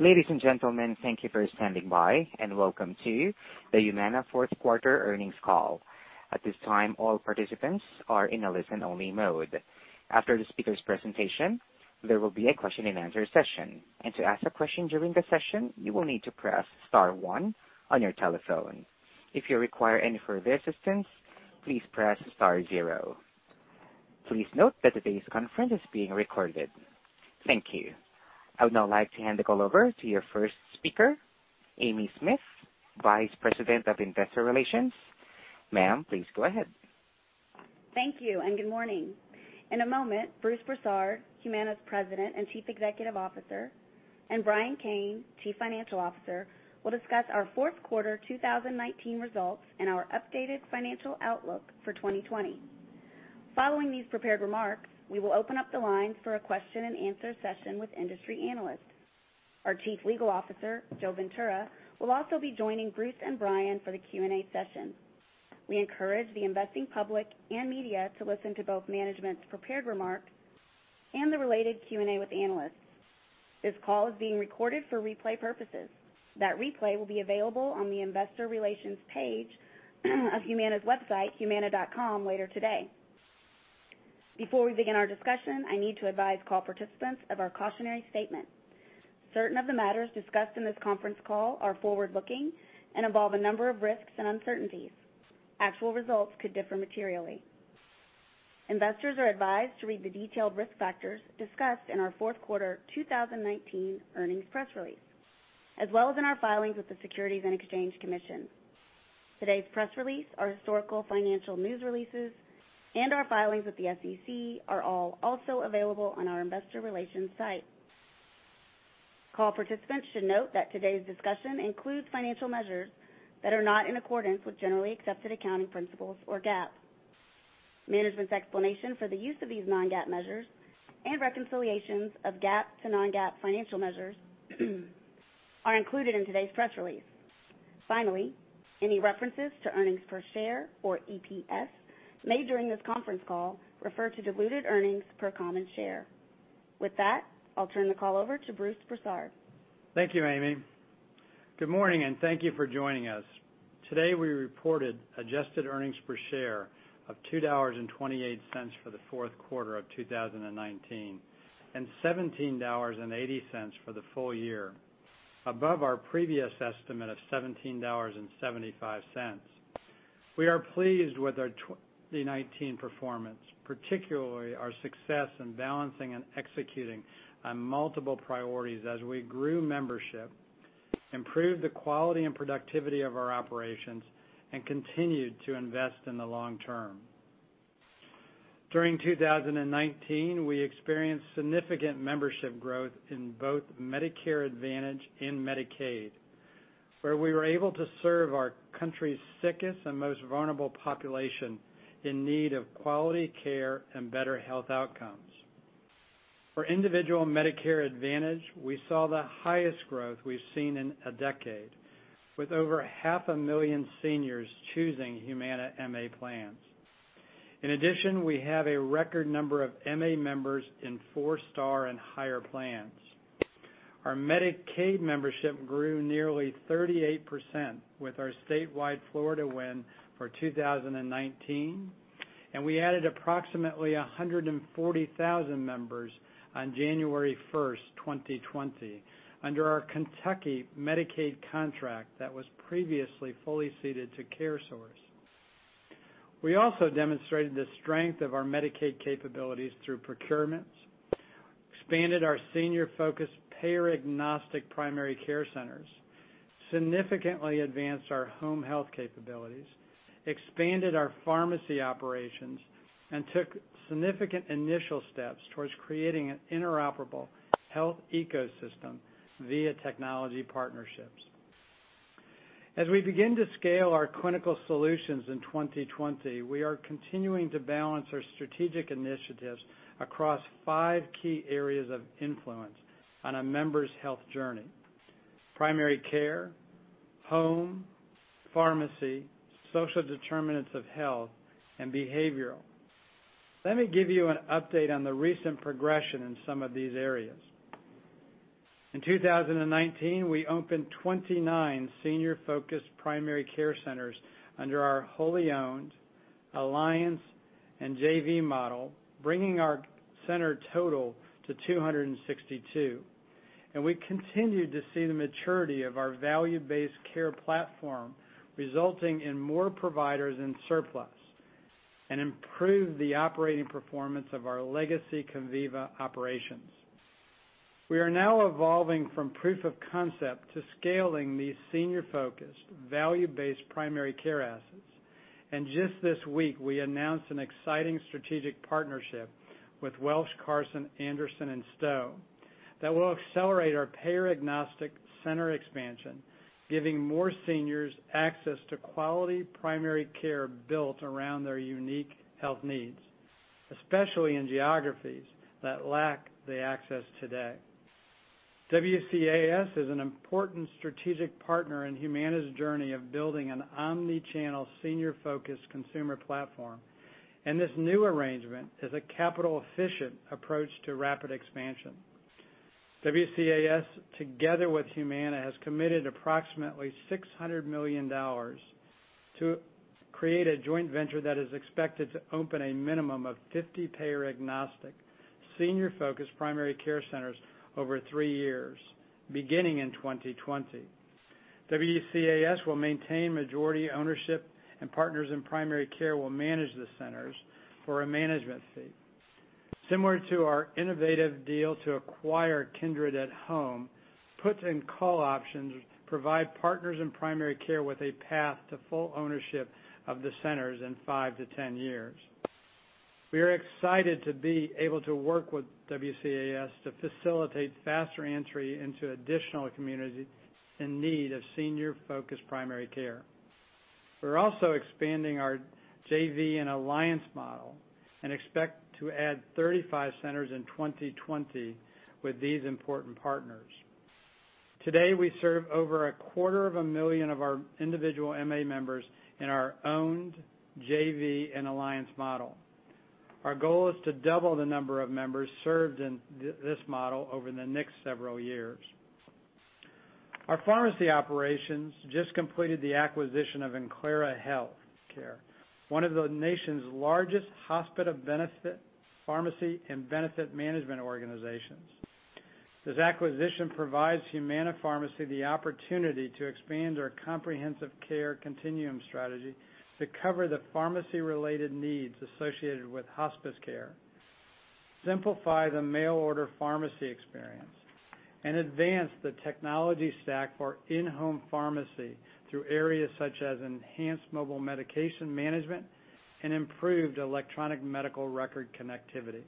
Ladies and gentlemen, thank you for standing by, welcome to the Humana Q4 earnings call. At this time, all participants are in a listen-only mode. After the speaker's presentation, there will be a question and answer session. To ask a question during the session, you will need to press star one on your telephone. If you require any further assistance, please press star zero. Please note that today's conference is being recorded. Thank you. I would now like to hand the call over to your first speaker, Amy Smith, Vice President of Investor Relations. Ma'am, please go ahead. Thank you, and good morning. In a moment, Bruce Broussard, Humana's President and Chief Executive Officer, and Brian Kane, Chief Financial Officer, will discuss our Q4 2019 results and our updated financial outlook for 2020. Following these prepared remarks, we will open up the lines for a question and answer session with industry analysts. Our Chief Legal Officer, Joe Ventura, will also be joining Bruce and Brian for the Q&A session. We encourage the investing public and media to listen to both management's prepared remarks and the related Q&A with analysts. This call is being recorded for replay purposes. That replay will be available on the investor relations page of Humana's website, humana.com, later today. Before we begin our discussion, I need to advise call participants of our cautionary statement. Certain of the matters discussed in this conference call are forward-looking and involve a number of risks and uncertainties. Actual results could differ materially. Investors are advised to read the detailed risk factors discussed in our Q4 2019 earnings press release, as well as in our filings with the Securities and Exchange Commission. Today's press release, our historical financial news releases, and our filings with the SEC are all also available on our investor relations site. Call participants should note that today's discussion includes financial measures that are not in accordance with generally accepted accounting principles or GAAP. Management's explanation for the use of these non-GAAP measures and reconciliations of GAAP to non-GAAP financial measures are included in today's press release. Finally, any references to earnings per share or EPS made during this conference call refer to diluted earnings per common share. With that, I'll turn the call over to Bruce Broussard. Thank you, Amy. Good morning, thank you for joining us. Today we reported adjusted earnings per share of $2.28 for the Q4 of 2019, and $17.80 for the full year, above our previous estimate of $17.75. We are pleased with our 2019 performance, particularly our success in balancing and executing on multiple priorities as we grew membership, improved the quality and productivity of our operations, and continued to invest in the long term. During 2019, we experienced significant membership growth in both Medicare Advantage and Medicaid, where we were able to serve our country's sickest and most vulnerable population in need of quality care and better health outcomes. For individual Medicare Advantage, we saw the highest growth we've seen in a decade, with over half a million seniors choosing Humana MA plans. In addition, we have a record number of MA members in four-star and higher plans. Our Medicaid membership grew nearly 38% with our statewide Florida win for 2019. We added approximately 140,000 members on 1 January 2020 under our Kentucky Medicaid contract that was previously fully ceded to CareSource. We also demonstrated the strength of our Medicaid capabilities through procurements, expanded our senior-focused payer-agnostic primary care centers, significantly advanced our home health capabilities, expanded our pharmacy operations, and took significant initial steps towards creating an interoperable health ecosystem via technology partnerships. As we begin to scale our clinical solutions in 2020, we are continuing to balance our strategic initiatives across five key areas of influence on a member's health journey: primary care, home, pharmacy, social determinants of health, and behavioral. Let me give you an update on the recent progression in some of these areas. In 2019, we opened 29 senior-focused primary care centers under our wholly owned alliance and JV model, bringing our center total to 262. We continued to see the maturity of our value-based care platform, resulting in more providers in surplus, and improved the operating performance of our legacy Conviva operations. We are now evolving from proof of concept to scaling these senior-focused, value-based primary care assets. Just this week, we announced an exciting strategic partnership with Welsh, Carson, Anderson & Stowe that will accelerate our payer-agnostic center expansion, giving more seniors access to quality primary care built around their unique health needs, especially in geographies that lack the access today. WCAS is an important strategic partner in Humana's journey of building an omni-channel senior focused consumer platform, and this new arrangement is a capital efficient approach to rapid expansion. WCAS, together with Humana, has committed approximately $600 million to create a joint venture that is expected to open a minimum of 50 payer agnostic, senior focused primary care centers over three years, beginning in 2020. WCAS will maintain majority ownership and Partners in Primary Care will manage the centers for a management fee. Similar to our innovative deal to acquire Kindred at Home, put and call options provide Partners in Primary Care with a path to full ownership of the centers in five to 10 years. We are excited to be able to work with WCAS to facilitate faster entry into additional communities in need of senior focused primary care. We're also expanding our JV and alliance model and expect to add 35 centers in 2020 with these important partners. Today, we serve over a quarter of a million of our individual MA members in our owned JV and alliance model. Our goal is to double the number of members served in this model over the next several years. Our pharmacy operations just completed the acquisition of Enclara Healthcare, one of the nation's largest hospice pharmacy and benefit management organizations. This acquisition provides Humana Pharmacy the opportunity to expand our comprehensive care continuum strategy to cover the pharmacy related needs associated with hospice care, simplify the mail order pharmacy experience, and advance the technology stack for in-home pharmacy through areas such as enhanced mobile medication management and improved electronic medical record connectivity.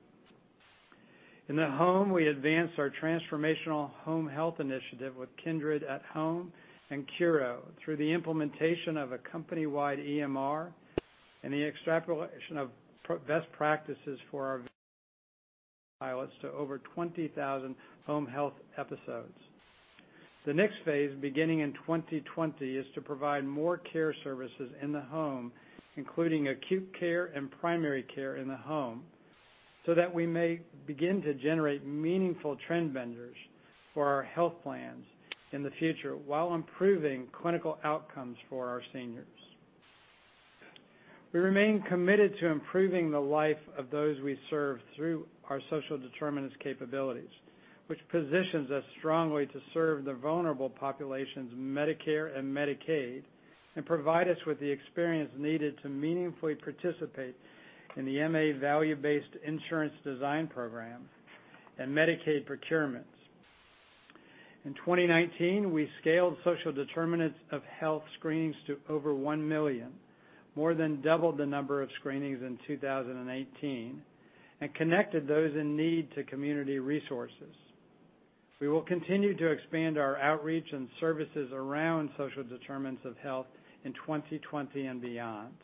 In the home, we advance our transformational home health initiative with Kindred at Home and Curo through the implementation of a company-wide EMR and the extrapolation of best practices for our pilots to over 20,000 home health episodes. The next phase, beginning in 2020, is to provide more care services in the home, including acute care and primary care in the home, so that we may begin to generate meaningful trend bends for our health plans in the future while improving clinical outcomes for our seniors. We remain committed to improving the life of those we serve through our social determinants capabilities, which positions us strongly to serve the vulnerable populations, Medicare and Medicaid, and provide us with the experience needed to meaningfully participate in the MA value-based insurance design program and Medicaid procurements. In 2019, we scaled social determinants of health screenings to over one million, more than double the number of screenings in 2018, and connected those in need to community resources. We will continue to expand our outreach and services around social determinants of health in 2020 and beyond.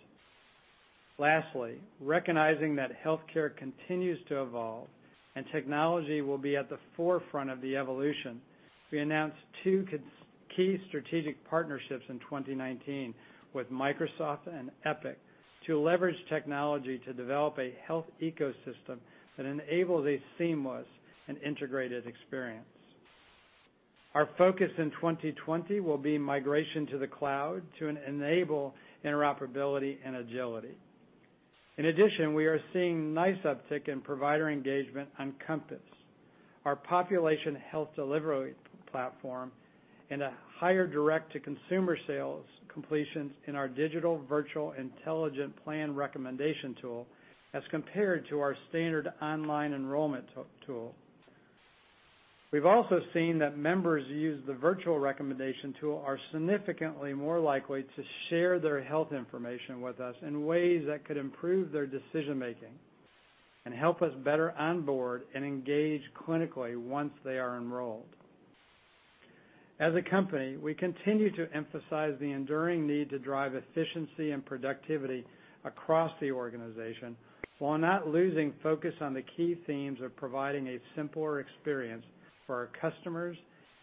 Lastly, recognizing that healthcare continues to evolve and technology will be at the forefront of the evolution, we announced two key strategic partnerships in 2019 with Microsoft and Epic to leverage technology to develop a health ecosystem that enables a seamless and integrated experience. We are seeing nice uptick in provider engagement on Compass, our population health delivery platform, and a higher direct to consumer sales completions in our digital virtual intelligent plan recommendation tool as compared to our standard online enrollment tool. We've also seen that members who use the virtual recommendation tool are significantly more likely to share their health information with us in ways that could improve their decision-making and help us better onboard and engage clinically once they are enrolled. As a company, we continue to emphasize the enduring need to drive efficiency and productivity across the organization while not losing focus on the key themes of providing a simpler experience for our customers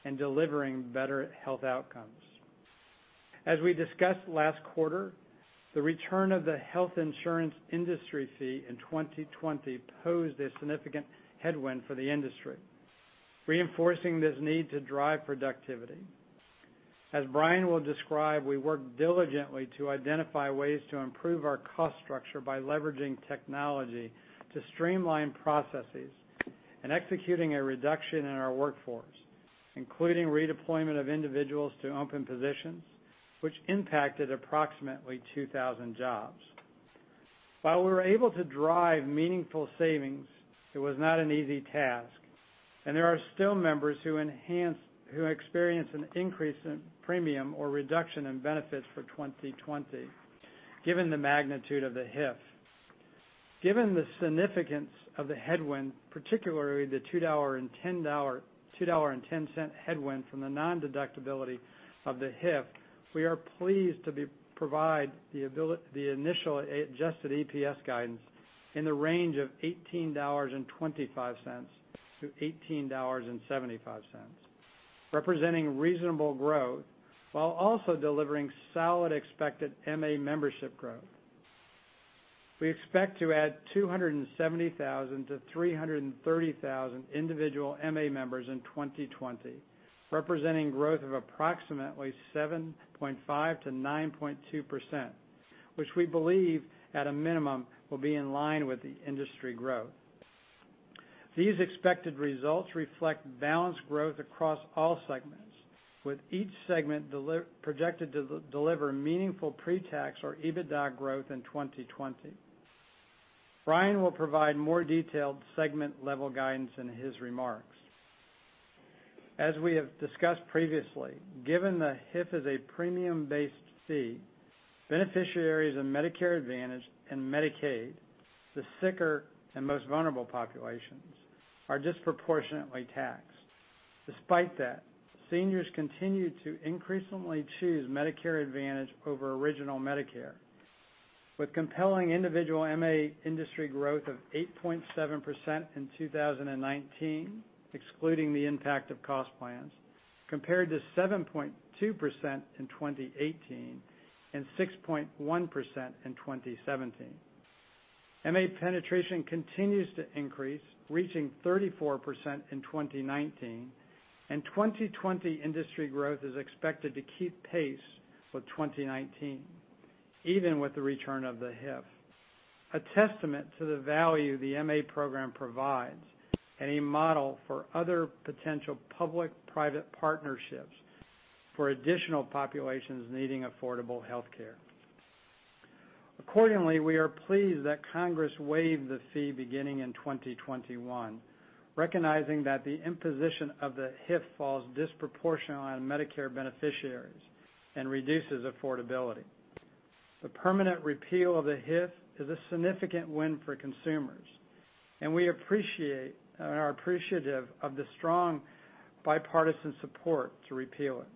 and delivering better health outcomes. As we discussed last quarter, the return of the Health Insurance Fee in 2020 posed a significant headwind for the industry, reinforcing this need to drive productivity. As Brian will describe, we worked diligently to identify ways to improve our cost structure by leveraging technology to streamline processes and executing a reduction in our workforce, including redeployment of individuals to open positions, which impacted approximately 2,000 jobs. While we were able to drive meaningful savings, it was not an easy task, and there are still members who experience an increase in premium or reduction in benefits for 2020 given the magnitude of the HIF. Given the significance of the headwind, particularly the $2.10 headwind from the non-deductibility of the HIF, we are pleased to provide the initial adjusted EPS guidance in the range of $18.25 to $18.75, representing reasonable growth while also delivering solid expected MA membership growth. We expect to add 270,000 to 330,000 individual MA members in 2020, representing growth of approximately 7.5%-9.2%, which we believe at a minimum will be in line with the industry growth. These expected results reflect balanced growth across all segments, with each segment projected to deliver meaningful pre-tax or EBITDA growth in 2020. Brian will provide more detailed segment-level guidance in his remarks. As we have discussed previously, given the HIF is a premium-based fee, beneficiaries of Medicare Advantage and Medicaid, the sicker and most vulnerable populations, are disproportionately taxed. Despite that, seniors continue to increasingly choose Medicare Advantage over original Medicare, with compelling individual MA industry growth of 8.7% in 2019, excluding the impact of cost plans, compared to 7.2% in 2018 and 6.1% in 2017. MA penetration continues to increase, reaching 34% in 2019, 2020 industry growth is expected to keep pace with 2019 even with the return of the HIF. A testament to the value the MA program provides and a model for other potential public-private partnerships for additional populations needing affordable healthcare. Accordingly, we are pleased that Congress waived the fee beginning in 2021, recognizing that the imposition of the HIF falls disproportionally on Medicare beneficiaries and reduces affordability. The permanent repeal of the HIF is a significant win for consumers, we are appreciative of the strong bipartisan support to repeal it.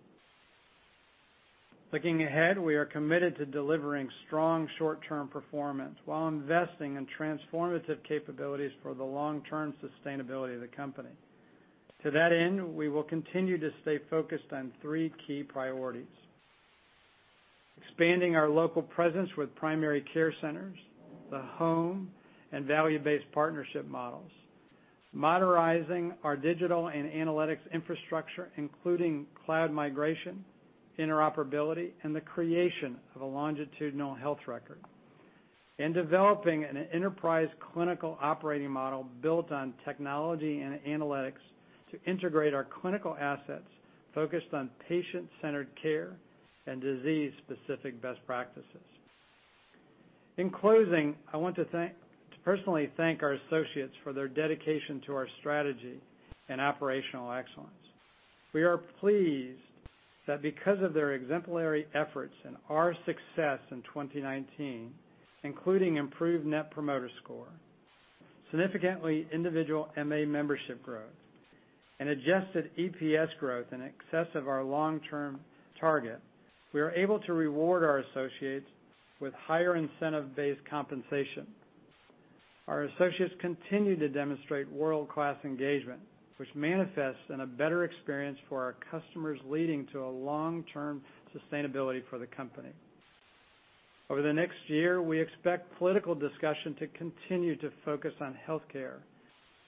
Looking ahead, we are committed to delivering strong short-term performance while investing in transformative capabilities for the long-term sustainability of the company. To that end, we will continue to stay focused on three key priorities. Expanding our local presence with primary care centers, the home, and value-based partnership models. Modernizing our digital and analytics infrastructure, including cloud migration, interoperability, and the creation of a longitudinal health record. Developing an enterprise clinical operating model built on technology and analytics to integrate our clinical assets focused on patient-centered care and disease-specific best practices. In closing, I want to personally thank our associates for their dedication to our strategy and operational excellence. We are pleased that because of their exemplary efforts and our success in 2019, including improved net promoter score, significantly individual MA membership growth, and adjusted EPS growth in excess of our long-term target, we are able to reward our associates with higher incentive-based compensation. Our associates continue to demonstrate world-class engagement, which manifests in a better experience for our customers, leading to a long-term sustainability for the company. Over the next year, we expect political discussion to continue to focus on healthcare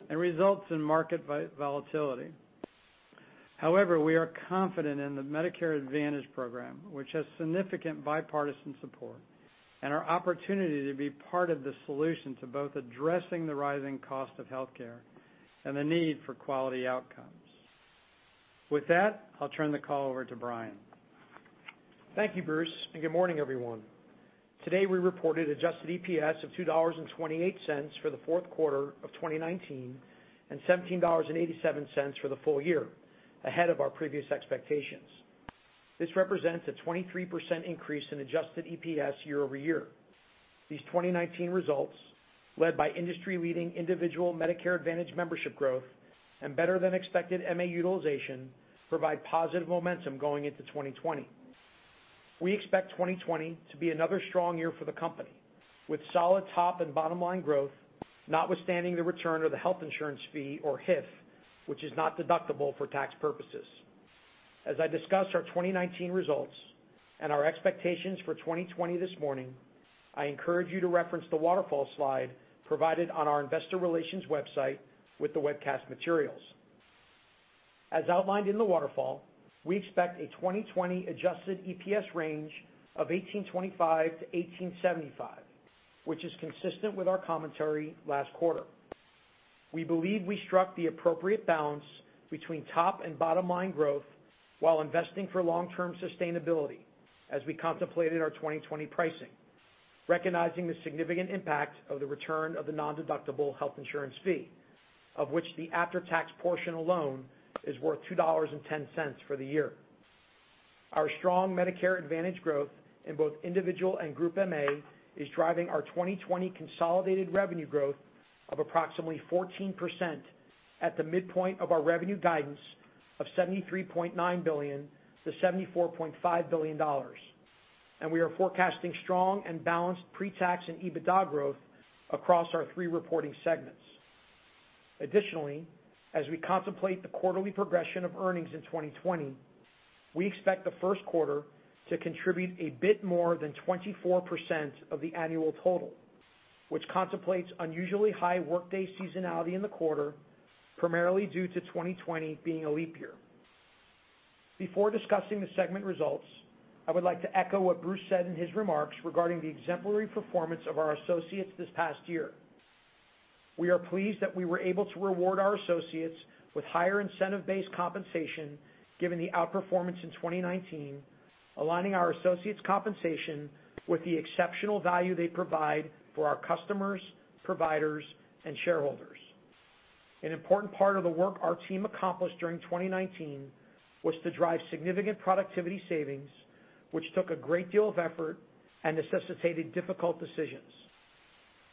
and results in market volatility. However, we are confident in the Medicare Advantage program, which has significant bipartisan support and our opportunity to be part of the solution to both addressing the rising cost of healthcare and the need for quality outcomes. With that, I'll turn the call over to Brian. Thank you, Bruce, and good morning, everyone. Today, we reported adjusted EPS of $2.28 for the Q4 of 2019 and $17.87 for the full year, ahead of our previous expectations. This represents a 23% increase in adjusted EPS year-over-year. These 2019 results, led by industry-leading individual Medicare Advantage membership growth and better-than-expected MA utilization, provide positive momentum going into 2020. We expect 2020 to be another strong year for the company, with solid top and bottom-line growth, notwithstanding the return of the Health Insurance Fee, or HIF, which is not deductible for tax purposes. As I discuss our 2019 results and our expectations for 2020 this morning, I encourage you to reference the waterfall slide provided on our investor relations website with the webcast materials. As outlined in the waterfall, we expect a 2020 adjusted EPS range of $18.25 to $18.75, which is consistent with our commentary last quarter. We believe we struck the appropriate balance between top and bottom-line growth while investing for long-term sustainability as we contemplated our 2020 pricing, recognizing the significant impact of the return of the nondeductible Health Insurance Fee, of which the after-tax portion alone is worth $2.10 for the year. Our strong Medicare Advantage growth in both individual and group MA is driving our 2020 consolidated revenue growth of approximately 14% at the midpoint of our revenue guidance of $73.9 billion to $74.5 billion. We are forecasting strong and balanced pre-tax and EBITDA growth across our three reporting segments. Additionally, as we contemplate the quarterly progression of earnings in 2020, we expect the Q1 to contribute a bit more than 24% of the annual total, which contemplates unusually high workday seasonality in the quarter, primarily due to 2020 being a leap year. Before discussing the segment results, I would like to echo what Bruce said in his remarks regarding the exemplary performance of our associates this past year. We are pleased that we were able to reward our associates with higher incentive-based compensation given the outperformance in 2019, aligning our associates' compensation with the exceptional value they provide for our customers, providers, and shareholders. An important part of the work our team accomplished during 2019 was to drive significant productivity savings, which took a great deal of effort and necessitated difficult decisions.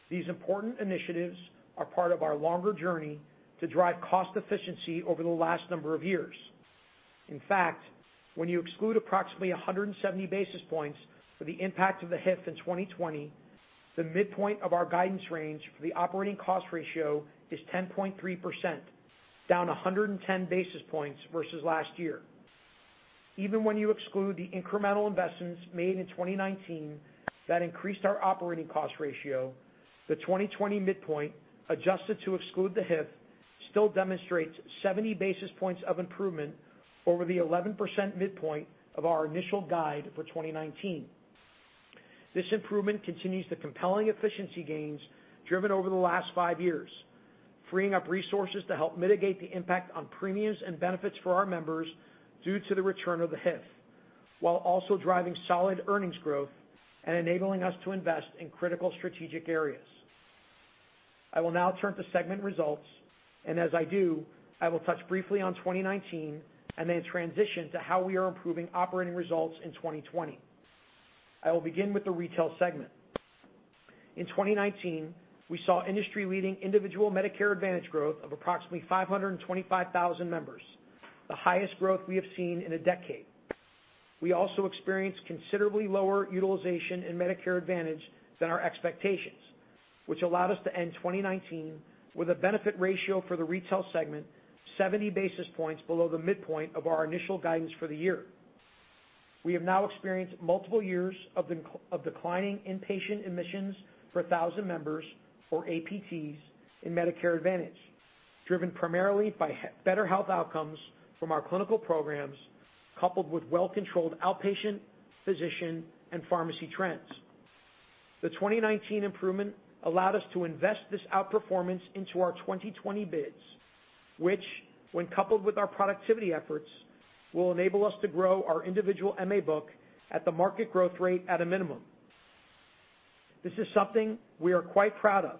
These important initiatives are part of our longer journey to drive cost efficiency over the last number of years. In fact, when you exclude approximately 170 basis points for the impact of the HIF in 2020, the midpoint of our guidance range for the operating cost ratio is 10.3%, down 110 basis points versus last year. Even when you exclude the incremental investments made in 2019 that increased our operating cost ratio, the 2020 midpoint, adjusted to exclude the HIF, still demonstrates 70 basis points of improvement over the 11% midpoint of our initial guide for 2019. This improvement continues the compelling efficiency gains driven over the last five years, freeing up resources to help mitigate the impact on premiums and benefits for our members due to the return of the HIF, while also driving solid earnings growth and enabling us to invest in critical strategic areas. I will now turn to segment results, and as I do, I will touch briefly on 2019 and then transition to how we are improving operating results in 2020. I will begin with the retail segment. In 2019, we saw industry-leading individual Medicare Advantage growth of approximately 525,000 members, the highest growth we have seen in a decade. We also experienced considerably lower utilization in Medicare Advantage than our expectations, which allowed us to end 2019 with a benefit ratio for the retail segment 70 basis points below the midpoint of our initial guidance for the year. We have now experienced multiple years of declining inpatient admissions per thousand members, or APTs, in Medicare Advantage, driven primarily by better health outcomes from our clinical programs, coupled with well-controlled outpatient physician and pharmacy trends. The 2019 improvement allowed us to invest this outperformance into our 2020 bids, which, when coupled with our productivity efforts, will enable us to grow our individual MA book at the market growth rate at a minimum. This is something we are quite proud of,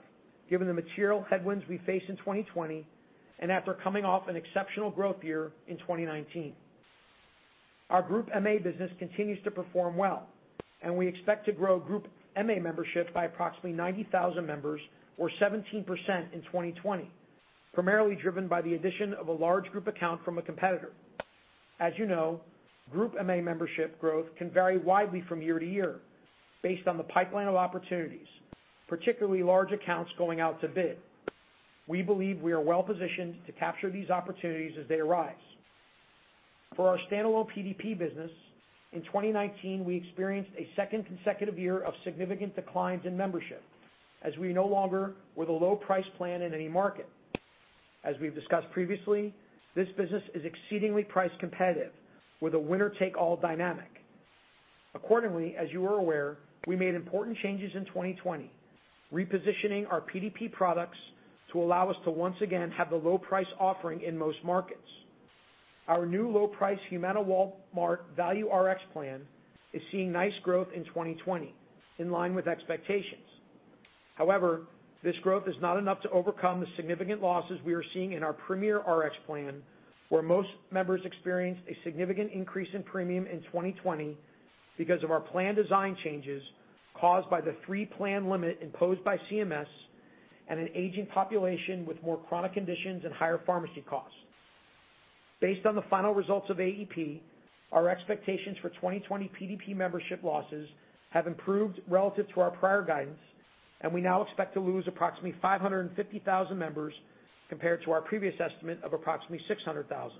given the material headwinds we face in 2020 and after coming off an exceptional growth year in 2019. Our group MA business continues to perform well, and we expect to grow group MA membership by approximately 90,000 members or 17% in 2020, primarily driven by the addition of a large group account from a competitor. As you know, group MA membership growth can vary widely from year to year based on the pipeline of opportunities, particularly large accounts going out to bid. We believe we are well positioned to capture these opportunities as they arise. For our standalone PDP business, in 2019, we experienced a second consecutive year of significant declines in membership as we no longer were the low price plan in any market. As we've discussed previously, this business is exceedingly price competitive with a winner-take-all dynamic. Accordingly, as you are aware, we made important changes in 2020, repositioning our PDP products to allow us to once again have the low price offering in most markets. Our new low price Humana Walmart Value Rx Plan is seeing nice growth in 2020, in line with expectations. However, this growth is not enough to overcome the significant losses we are seeing in our Humana Premier Rx Plan, where most members experienced a significant increase in premium in 2020 because of our plan design changes caused by the three-plan limit imposed by CMS and an aging population with more chronic conditions and higher pharmacy costs. Based on the final results of AEP, our expectations for 2020 PDP membership losses have improved relative to our prior guidance, and we now expect to lose approximately 550,000 members compared to our previous estimate of approximately 600,000.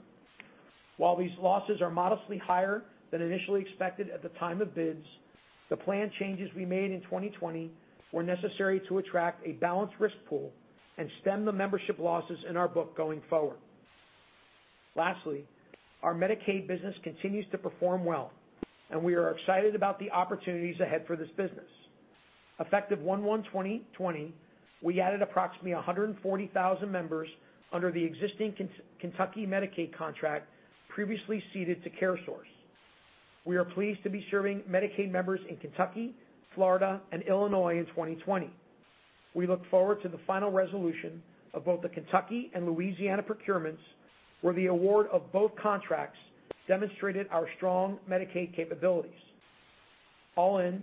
While these losses are modestly higher than initially expected at the time of bids, the plan changes we made in 2020 were necessary to attract a balanced risk pool and stem the membership losses in our book going forward. Lastly, our Medicaid business continues to perform well, and we are excited about the opportunities ahead for this business. Effective 1/1/2020, we added approximately 140,000 members under the existing Kentucky Medicaid contract previously ceded to CareSource. We are pleased to be serving Medicaid members in Kentucky, Florida, and Illinois in 2020. We look forward to the final resolution of both the Kentucky and Louisiana procurements, where the award of both contracts demonstrated our strong Medicaid capabilities. All in,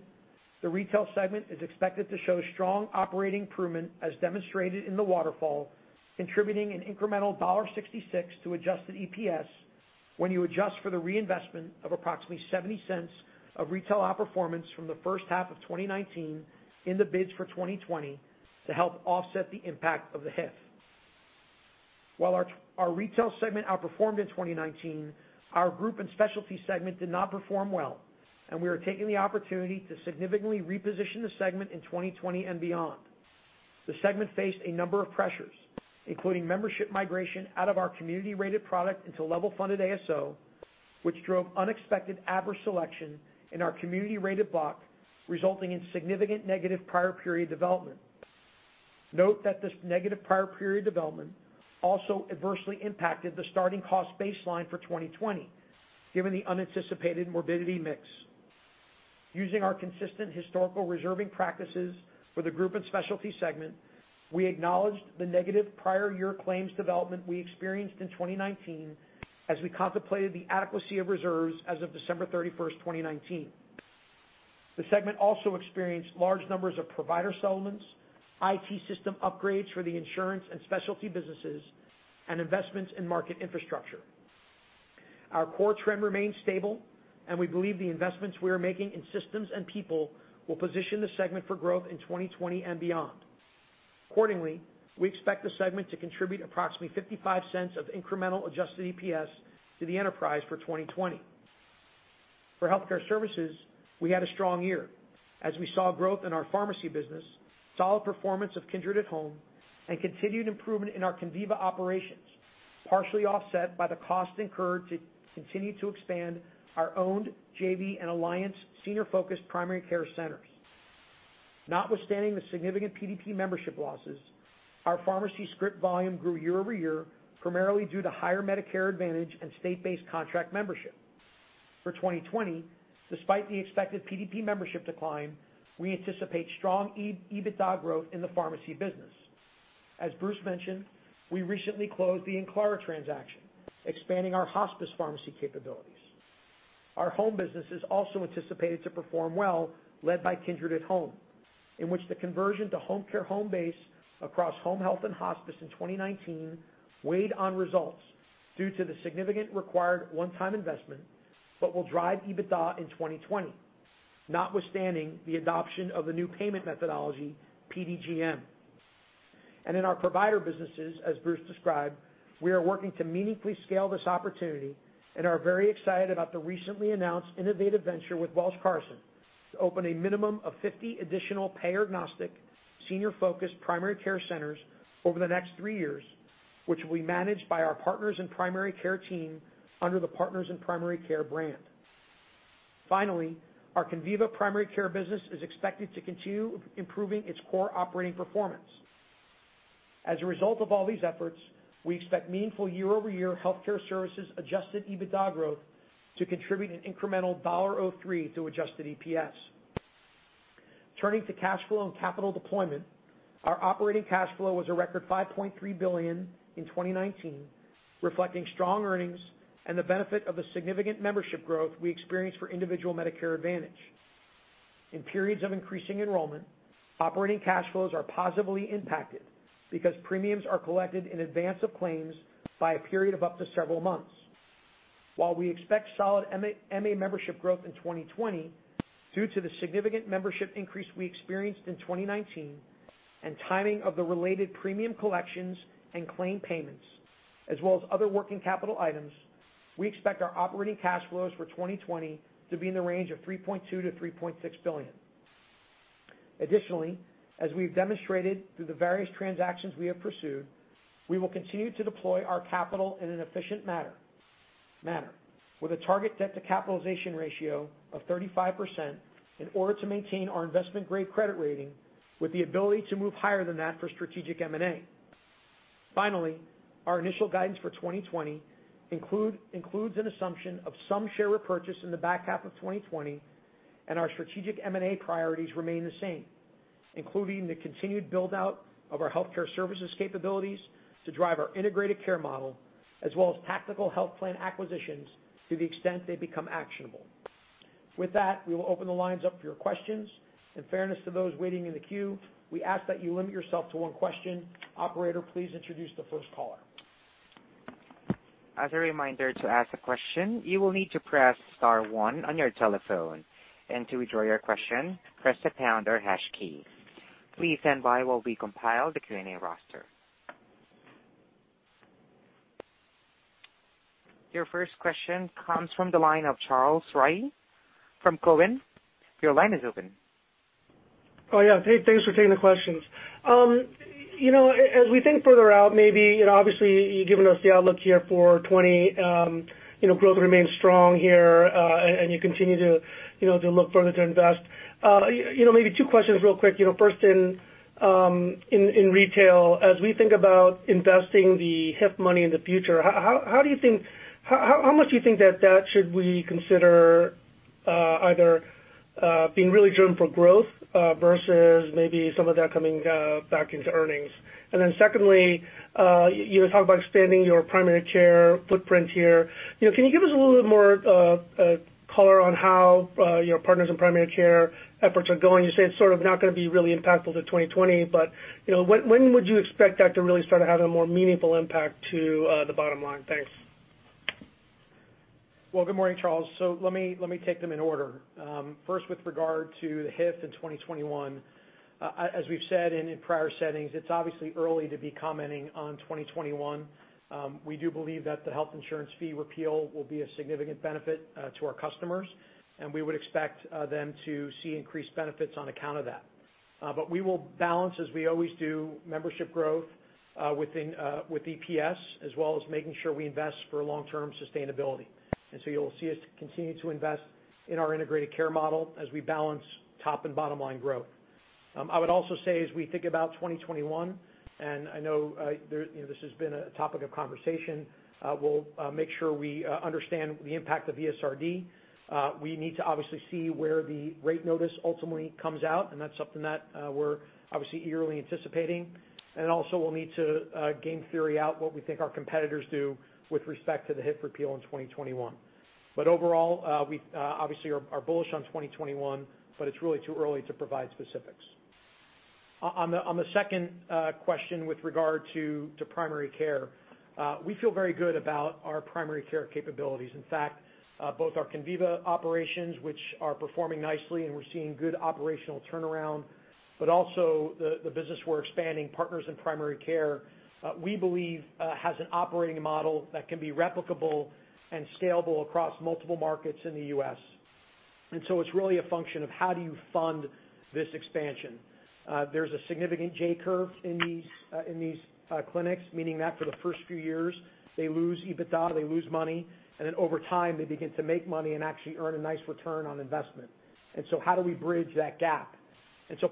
the retail segment is expected to show strong operating improvement as demonstrated in the waterfall, contributing an incremental $1.66 to adjusted EPS when you adjust for the reinvestment of approximately $0.70 of retail outperformance from the H1 of 2019 in the bids for 2020 to help offset the impact of the HIF. While our retail segment outperformed in 2019, our group and specialty segment did not perform well, and we are taking the opportunity to significantly reposition the segment in 2020 and beyond. The segment faced a number of pressures, including membership migration out of our community-rated product into level-funded ASO, which drove unexpected adverse selection in our community-rated block, resulting in significant negative prior period development. Note that this negative prior period development also adversely impacted the starting cost baseline for 2020, given the unanticipated morbidity mix. Using our consistent historical reserving practices for the group and specialty segment, we acknowledged the negative prior year claims development we experienced in 2019 as we contemplated the adequacy of reserves as of 31 December 2019. The segment also experienced large numbers of provider settlements, IT system upgrades for the insurance and specialty businesses, and investments in market infrastructure. Our core trend remains stable, and we believe the investments we are making in systems and people will position the segment for growth in 2020 and beyond. Accordingly, we expect the segment to contribute approximately $0.55 of incremental adjusted EPS to the enterprise for 2020. For healthcare services, we had a strong year as we saw growth in our pharmacy business, solid performance of Kindred at Home, and continued improvement in our Conviva operations, partially offset by the cost incurred to continue to expand our owned JV and alliance senior-focused primary care centers. Notwithstanding the significant PDP membership losses, our pharmacy script volume grew year-over-year, primarily due to higher Medicare Advantage and state-based contract membership. For 2020, despite the expected PDP membership decline, we anticipate strong EBITDA growth in the pharmacy business. As Bruce mentioned, we recently closed the Enclara transaction, expanding our hospice pharmacy capabilities. Our home business is also anticipated to perform well, led by Kindred at Home, in which the conversion to Homecare Homebase across home health and hospice in 2019 weighed on results due to the significant required one-time investment but will drive EBITDA in 2020, notwithstanding the adoption of the new payment methodology, PDGM. In our provider businesses, as Bruce described, we are working to meaningfully scale this opportunity and are very excited about the recently announced innovative venture with Welsh Carson to open a minimum of 50 additional payer-agnostic, senior-focused primary care centers over the next three years, which will be managed by our partners and primary care team under the Partners in Primary Care brand. Finally, our Conviva primary care business is expected to continue improving its core operating performance. As a result of all these efforts, we expect meaningful year-over-year healthcare services adjusted EBITDA growth to contribute an incremental $1.03 to adjusted EPS. Turning to cash flow and capital deployment, our operating cash flow was a record $5.3 billion in 2019, reflecting strong earnings and the benefit of the significant membership growth we experienced for individual Medicare Advantage. In periods of increasing enrollment, operating cash flows are positively impacted because premiums are collected in advance of claims by a period of up to several months. While we expect solid MA membership growth in 2020, due to the significant membership increase we experienced in 2019 and timing of the related premium collections and claim payments, as well as other working capital items, we expect our operating cash flows for 2020 to be in the range of $3.2 billion-$3.6 billion. Additionally, as we've demonstrated through the various transactions we have pursued, we will continue to deploy our capital in an efficient manner with a target debt-to-capitalization ratio of 35% in order to maintain our investment-grade credit rating with the ability to move higher than that for strategic M&A. Finally, our initial guidance for 2020 includes an assumption of some share repurchase in the back half of 2020, and our strategic M&A priorities remain the same, including the continued build-out of our healthcare services capabilities to drive our integrated care model as well as tactical health plan acquisitions to the extent they become actionable. With that, we will open the lines up for your questions. In fairness to those waiting in the queue, we ask that you limit yourself to one question. Operator, please introduce the first caller. As a reminder, to ask a question, you will need to press star one on your telephone, and to withdraw your question, press the pound or hash key. Please stand by while we compile the Q&A roster. Your first question comes from the line of Charles Rhyee from Cowen. Your line is open. Oh, yeah. Hey, thanks for taking the questions. As we think further out, maybe, obviously, you've given us the outlook here for 2020. Growth remains strong here, and you continue to look further to invest. Maybe two questions real quick. First in retail, as we think about investing the HIF money in the future, how much do you think that that should we consider either Being really driven for growth versus maybe some of that coming back into earnings. Secondly, you talk about expanding your primary care footprint here. Can you give us a little bit more color on how your Partners in Primary Care efforts are going? You say it's sort of not going to be really impactful to 2020, but when would you expect that to really start to have a more meaningful impact to the bottom line? Thanks. Well, good morning, Charles. Let me take them in order. First with regard to the HIF in 2021. As we've said in prior settings, it's obviously early to be commenting on 2021. We do believe that the health insurance fee repeal will be a significant benefit to our customers, and we would expect them to see increased benefits on account of that. We will balance, as we always do, membership growth with EPS, as well as making sure we invest for long-term sustainability. You'll see us continue to invest in our integrated care model as we balance top and bottom line growth. I would also say as we think about 2021, and I know this has been a topic of conversation, we'll make sure we understand the impact of ESRD. We need to obviously see where the rate notice ultimately comes out, and that's something that we're obviously eagerly anticipating. Also we'll need to game theory out what we think our competitors do with respect to the HIF repeal in 2021. Overall, we obviously are bullish on 2021, but it's really too early to provide specifics. On the second question with regard to primary care, we feel very good about our primary care capabilities. In fact, both our Conviva operations, which are performing nicely and we're seeing good operational turnaround, but also the business we're expanding, Partners in Primary Care, we believe has an operating model that can be replicable and scalable across multiple markets in the U.S. So it's really a function of how do you fund this expansion. There's a significant J-curve in these clinics, meaning that for the first few years, they lose EBITDA, they lose money, and then over time they begin to make money and actually earn a nice return on investment. How do we bridge that gap?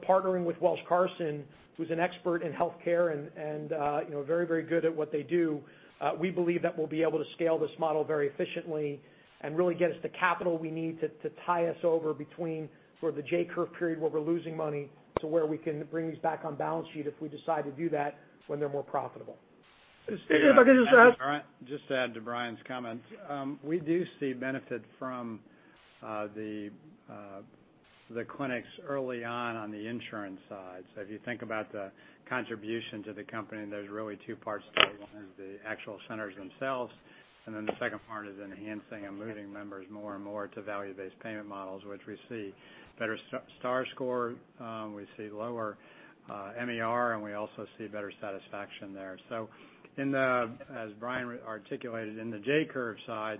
Partnering with Welsh, Carson, who's an expert in healthcare and very good at what they do, we believe that we'll be able to scale this model very efficiently and really get us the capital we need to tie us over between sort of the J-curve period where we're losing money to where we can bring these back on balance sheet if we decide to do that when they're more profitable. If I could just ask. Just to add to Brian's comments. We do see benefit from the clinics early on the insurance side. If you think about the contribution to the company, there's really two parts to it. One is the actual centers themselves, the second part is enhancing and moving members more and more to value-based payment models, which we see better star score, we see lower MER, and we also see better satisfaction there. As Brian articulated, in the J-curve side,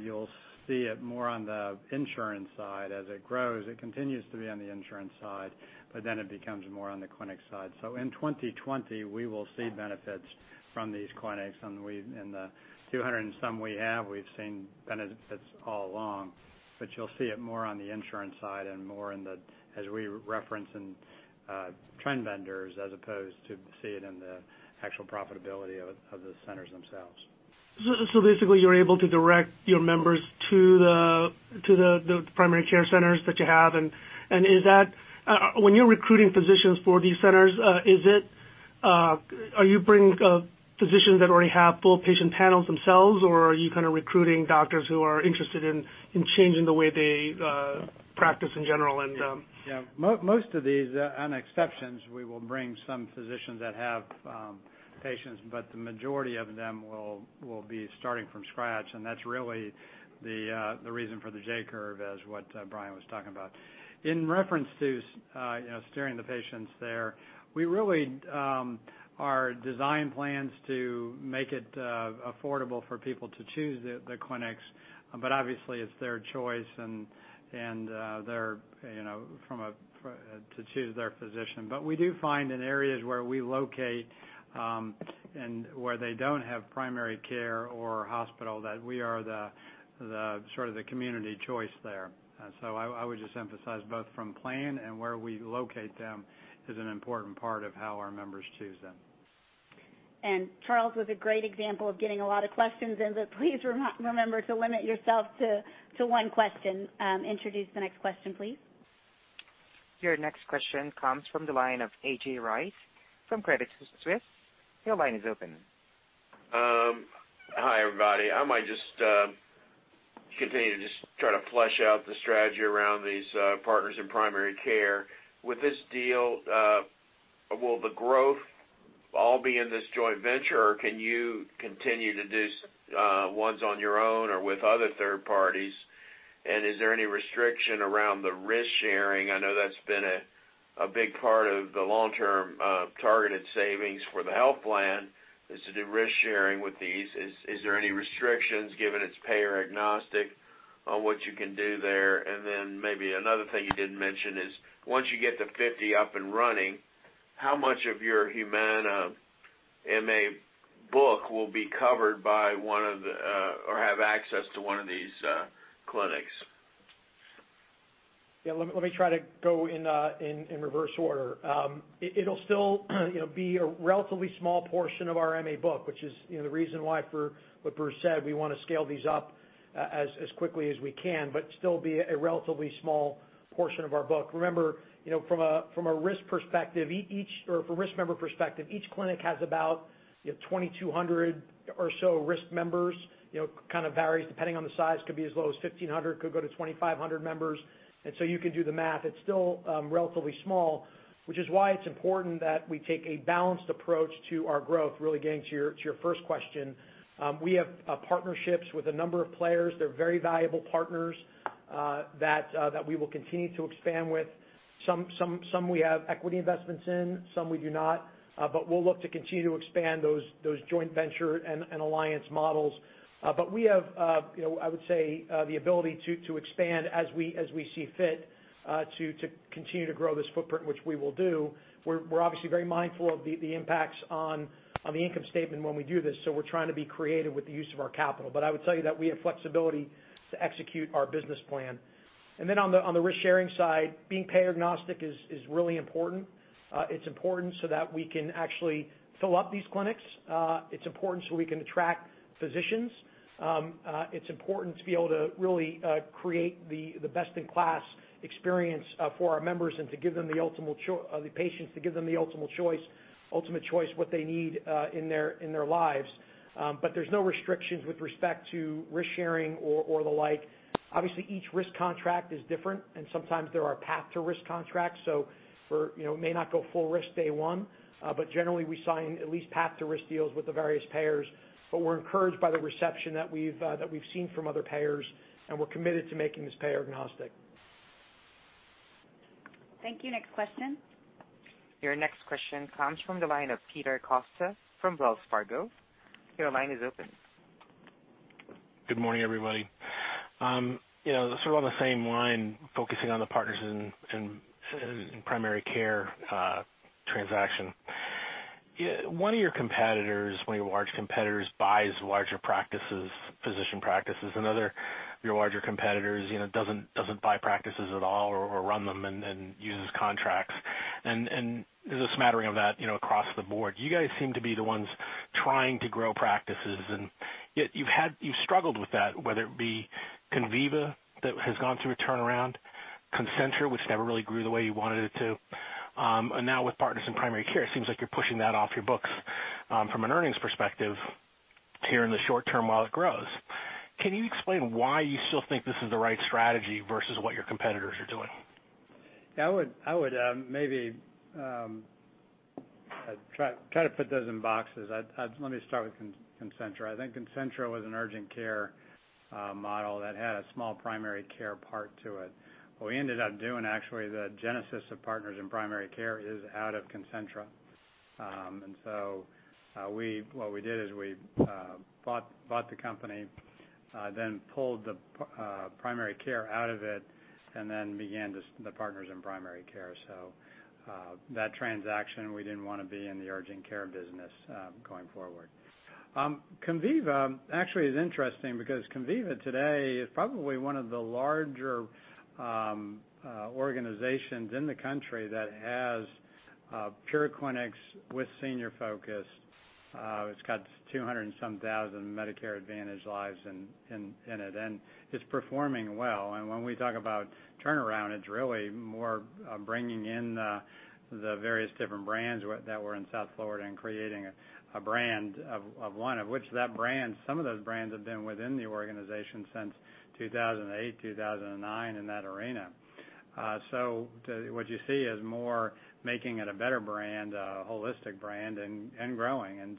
you'll see it more on the insurance side. As it grows, it continues to be on the insurance side, it becomes more on the clinic side. In 2020, we will see benefits from these clinics. In the 200 and some we have, we've seen benefits all along, but you'll see it more on the insurance side and more as we reference in trend bends as opposed to see it in the actual profitability of the centers themselves. Basically, you're able to direct your members to the primary care centers that you have. When you're recruiting physicians for these centers, are you bringing physicians that already have full patient panels themselves, or are you kind of recruiting doctors who are interested in changing the way they practice in general? Yeah. Most of these, on exceptions, we will bring some physicians that have patients, but the majority of them will be starting from scratch, and that's really the reason for the J-curve as what Brian was talking about. In reference to steering the patients there, we really are design plans to make it affordable for people to choose the clinics, but obviously it's their choice to choose their physician. We do find in areas where we locate and where they don't have primary care or hospital, that we are the sort of the community choice there. I would just emphasize both from plan and where we locate them is an important part of how our members choose them. Charles was a great example of getting a lot of questions in, but please remember to limit yourself to one question. Introduce the next question, please. Your next question comes from the line of A.J. Rice from Credit Suisse. Your line is open. Hi, everybody. I might just continue to try to flesh out the strategy around these Partners in Primary Care. With this deal, will the growth all be in this joint venture, or can you continue to do ones on your own or with other third parties? Is there any restriction around the risk sharing? I know that's been a big part of the long-term targeted savings for the health plan is to do risk sharing with these. Is there any restrictions given it's payer agnostic on what you can do there? Maybe another thing you didn't mention is once you get the 50 up and running, how much of your Humana MA book will be covered or have access to one of these clinics? Yeah. Let me try to go in reverse order. It'll still be a relatively small portion of our MA book, which is the reason why, what Bruce said, we want to scale these up as quickly as we can, but still be a relatively small portion of our book. Remember, from a risk member perspective, each clinic has about 2,200 or so risk members, kind of varies depending on the size. Could be as low as 1,500, could go to 2,500 members. You can do the math. It's still relatively small, which is why it's important that we take a balanced approach to our growth. Really getting to your first question, we have partnerships with a number of players. They're very valuable partners that we will continue to expand with. Some we have equity investments in, some we do not. We'll look to continue to expand those joint venture and alliance models. We have, I would say, the ability to expand as we see fit, to continue to grow this footprint, which we will do. We're obviously very mindful of the impacts on the income statement when we do this, so we're trying to be creative with the use of our capital. I would tell you that we have flexibility to execute our business plan. On the risk-sharing side, being payer-agnostic is really important. It's important so that we can actually fill up these clinics. It's important so we can attract physicians. It's important to be able to really create the best-in-class experience for our members and to give them the ultimate choice, what they need in their lives. There's no restrictions with respect to risk-sharing or the like. Obviously, each risk contract is different, and sometimes there are path to risk contracts. May not go full risk day one. Generally, we sign at least path to risk deals with the various payers. We're encouraged by the reception that we've seen from other payers, and we're committed to making this payer agnostic. Thank you. Next question. Your next question comes from the line of Peter Costa from Wells Fargo. Your line is open. Good morning, everybody. Sort of on the same line, focusing on the Partners in Primary Care transaction. One of your large competitors buys larger physician practices, another of your larger competitors doesn't buy practices at all or run them and uses contracts. There's a smattering of that across the board. You guys seem to be the ones trying to grow practices, and yet you've struggled with that, whether it be Conviva, that has gone through a turnaround, Concentra, which never really grew the way you wanted it to. Now with Partners in Primary Care, it seems like you're pushing that off your books from an earnings perspective here in the short term while it grows. Can you explain why you still think this is the right strategy versus what your competitors are doing? I would maybe try to put those in boxes. Let me start with Concentra. I think Concentra was an urgent care model that had a small primary care part to it. What we ended up doing, actually, the genesis of Partners in Primary Care is out of Concentra. What we did is we bought the company, then pulled the primary care out of it, and then began the Partners in Primary Care. That transaction, we didn't want to be in the urgent care business going forward. Conviva actually is interesting because Conviva today is probably one of the larger organizations in the country that has pure clinics with senior focus. It's got 200,000 and some Medicare Advantage lives in it, and it's performing well. When we talk about turnaround, it's really more bringing in the various different brands that were in South Florida and creating a brand of one, of which some of those brands have been within the organization since 2008, 2009, in that arena. What you see is more making it a better brand, a holistic brand, and growing and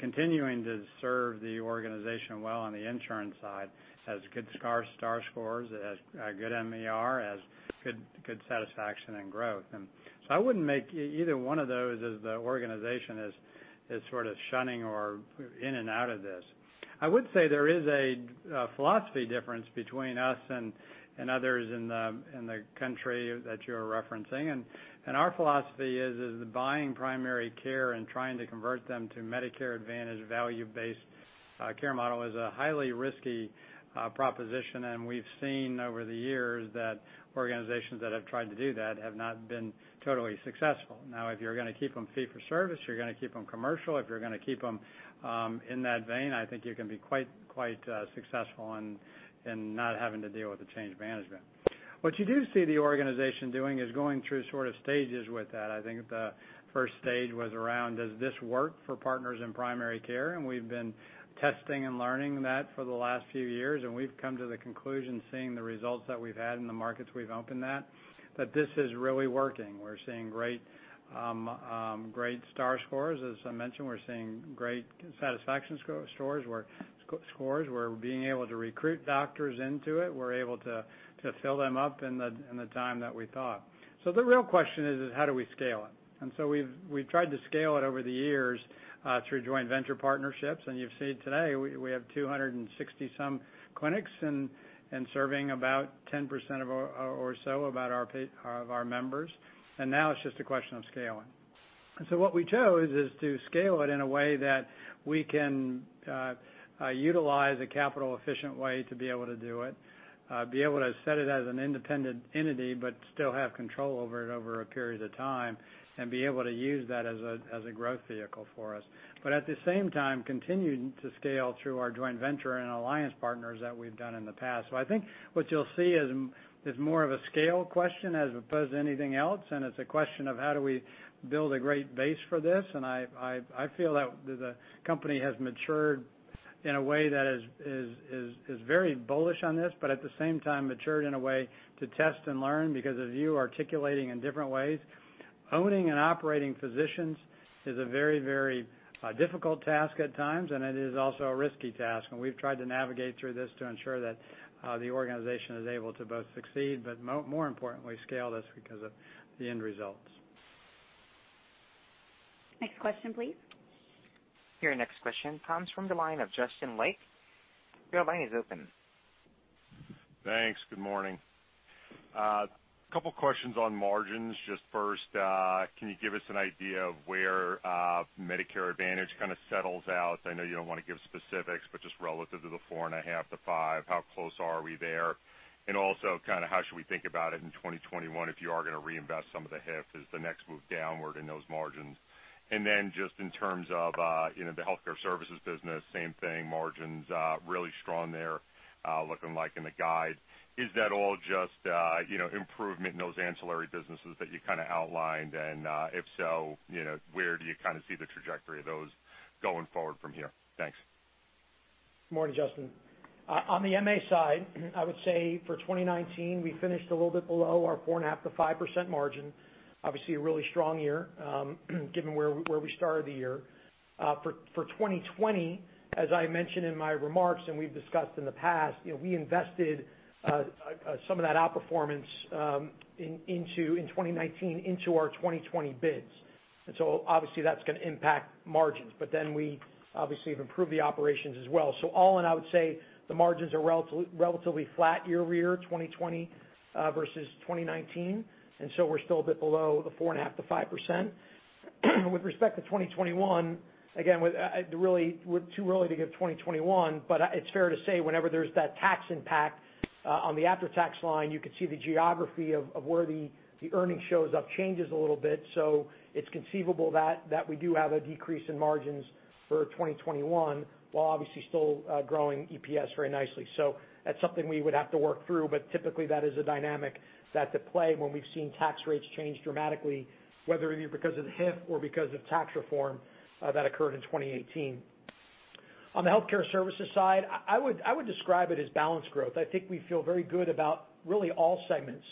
continuing to serve the organization well on the insurance side. Has good star scores, it has good MER, has good satisfaction and growth. I wouldn't make either one of those as the organization is sort of shunning or in and out of this. I would say there is a philosophy difference between us and others in the country that you're referencing. Our philosophy is buying primary care and trying to convert them to Medicare Advantage value-based care model is a highly risky proposition. We've seen over the years that organizations that have tried to do that have not been totally successful. Now, if you're going to keep them fee for service, you're going to keep them commercial, if you're going to keep them in that vein, I think you can be quite successful in not having to deal with the change management. What you do see the organization doing is going through sort of stages with that. I think the first stage was around does this work for Partners in Primary Care? We've been testing and learning that for the last few years, and we've come to the conclusion, seeing the results that we've had in the markets we've opened that this is really working. We're seeing great star scores, as I mentioned. We're seeing great satisfaction scores. We're being able to recruit doctors into it. We're able to fill them up in the time that we thought. The real question is how do we scale it? We've tried to scale it over the years through joint venture partnerships. You've seen today we have 260 some clinics and serving about 10% or so of our members. Now it's just a question of scaling. What we chose is to scale it in a way that we can utilize a capital efficient way to be able to do it, be able to set it as an independent entity, but still have control over it over a period of time, and be able to use that as a growth vehicle for us. At the same time, continuing to scale through our joint venture and alliance partners that we've done in the past. I think what you'll see is more of a scale question as opposed to anything else, and it's a question of how do we build a great base for this. I feel that the company has matured in a way that is very bullish on this, but at the same time matured in a way to test and learn because as you articulating in different ways, owning and operating physicians is a very difficult task at times, and it is also a risky task. We've tried to navigate through this to ensure that the organization is able to both succeed, but more importantly, scale this because of the end results. Next question, please. Your next question comes from the line of Justin Lake. Your line is open. Thanks. Good morning. Couple questions on margins, just first, can you give us an idea of where Medicare Advantage kind of settles out? I know you don't want to give specifics, just relative to the 4.5%-5%, how close are we there? Also kind of how should we think about it in 2021 if you are going to reinvest some of the HIF, is the next move downward in those margins? Just in terms of the healthcare services business, same thing, margins really strong there, looking like in the guide. Is that all just improvement in those ancillary businesses that you kind of outlined? If so, where do you kind of see the trajectory of those going forward from here? Thanks. Morning, Justin. On the MA side, I would say for 2019, we finished a little bit below our 4.5%-5% margin. Obviously, a really strong year, given where we started the year. For 2020, as I mentioned in my remarks, and we've discussed in the past, we invested some of that outperformance in 2019 into our 2020 bids. Obviously, that's going to impact margins. We obviously have improved the operations as well. All in, I would say the margins are relatively flat year-over-year, 2020 versus 2019. We're still a bit below the 4.5%-5%. With respect to 2021, again, we're too early to give 2021, but it's fair to say whenever there's that tax impact on the after-tax line, you could see the geography of where the earnings shows up changes a little bit. It's conceivable that we do have a decrease in margins for 2021, while obviously still growing EPS very nicely. That's something we would have to work through, but typically that is a dynamic that's at play when we've seen tax rates change dramatically, whether it be because of HIF or because of tax reform that occurred in 2018. On the healthcare services side, I would describe it as balanced growth. I think we feel very good about really all segments.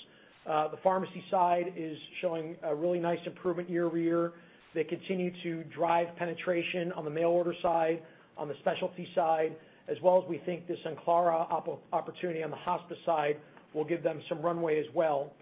The pharmacy side is showing a really nice improvement year-over-year. They continue to drive penetration on the mail order side, on the specialty side, as well as we think the Enclara opportunity on the hospice side will give them some runway as well.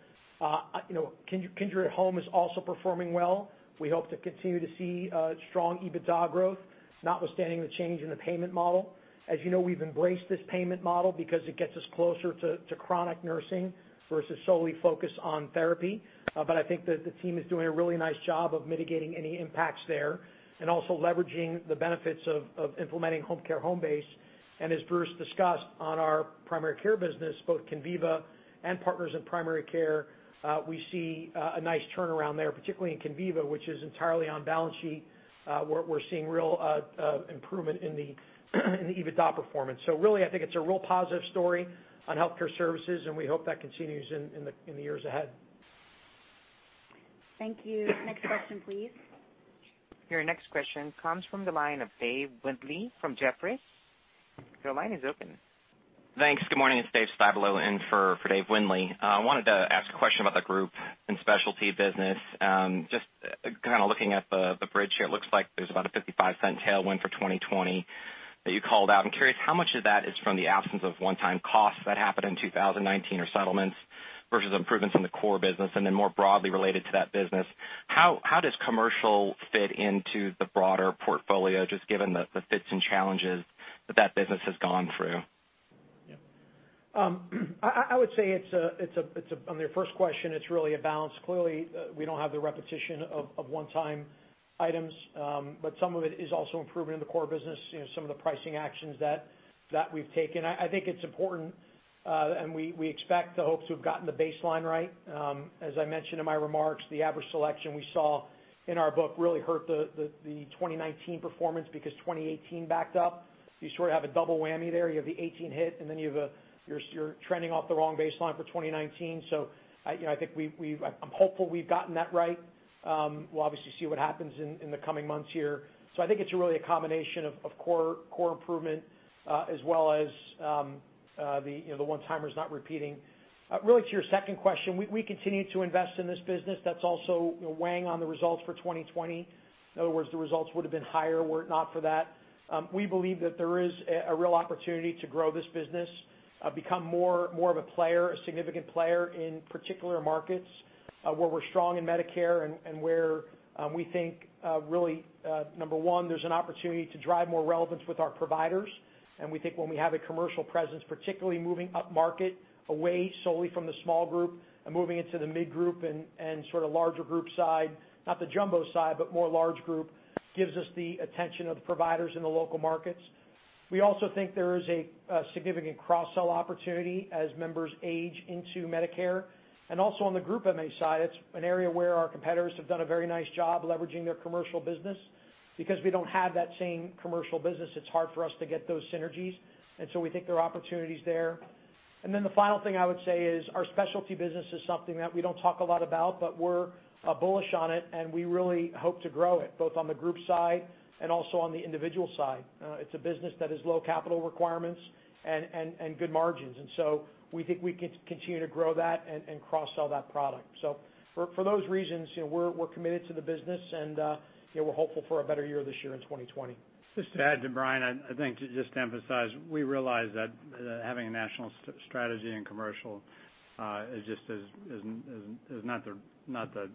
Kindred at Home is also performing well. We hope to continue to see strong EBITDA growth, notwithstanding the change in the payment model. As you know, we've embraced this payment model because it gets us closer to chronic nursing versus solely focused on therapy. I think that the team is doing a really nice job of mitigating any impacts there and also leveraging the benefits of implementing Homecare Homebase. As Bruce discussed on our primary care business, both Conviva and Partners in Primary Care, we see a nice turnaround there, particularly in Conviva, which is entirely on balance sheet. We're seeing real improvement in the EBITDA performance. Really, I think it's a real positive story on healthcare services, and we hope that continues in the years ahead. Thank you. Next question, please. Your next question comes from the line of Dave Windley from Jefferies. Your line is open. Thanks. Good morning. It's Dave Styblo in for David Windley. I wanted to ask a question about the group and specialty business. Just kind of looking at the bridge here, it looks like there's about a $0.55 tailwind for 2020 that you called out. I'm curious how much of that is from the absence of one-time costs that happened in 2019 or settlements versus improvements in the core business? More broadly related to that business, how does commercial fit into the broader portfolio, just given the fits and challenges that that business has gone through? I would say on your first question, it's really a balance. Clearly, we don't have the repetition of one-time items. Some of it is also improvement in the core business, some of the pricing actions that we've taken. I think it's important, and we expect the hopes we've gotten the baseline right. As I mentioned in my remarks, the adverse selection we saw in our book really hurt the 2019 performance because 2018 backed up. You sort of have a double whammy there. You have the 2018 hit, and then you're trending off the wrong baseline for 2019. I'm hopeful we've gotten that right. We'll obviously see what happens in the coming months here. I think it's really a combination of core improvement as well as the one-timers not repeating. To your second question, we continue to invest in this business. That's also weighing on the results for 2020. In other words, the results would've been higher were it not for that. We believe that there is a real opportunity to grow this business, become more of a player, a significant player in particular markets where we're strong in Medicare and where we think really, number one, there's an opportunity to drive more relevance with our providers. We think when we have a commercial presence, particularly moving upmarket away solely from the small group Moving into the mid-group and sort of larger-group side, not the jumbo side, but more large-group, gives us the attention of the providers in the local markets. We also think there is a significant cross-sell opportunity as members age into Medicare. Also on the group MA side, it's an area where our competitors have done a very nice job leveraging their commercial business. Because we don't have that same commercial business, it's hard for us to get those synergies. We think there are opportunities there. The final thing I would say is our specialty business is something that we don't talk a lot about, but we're bullish on it, and we really hope to grow it, both on the group side and also on the individual side. It's a business that has low capital requirements and good margins. We think we can continue to grow that and cross-sell that product. For those reasons, we're committed to the business and we're hopeful for a better year this year in 2020. Just to add to Brian, I think to just emphasize, we realize that having a national strategy in commercial is not the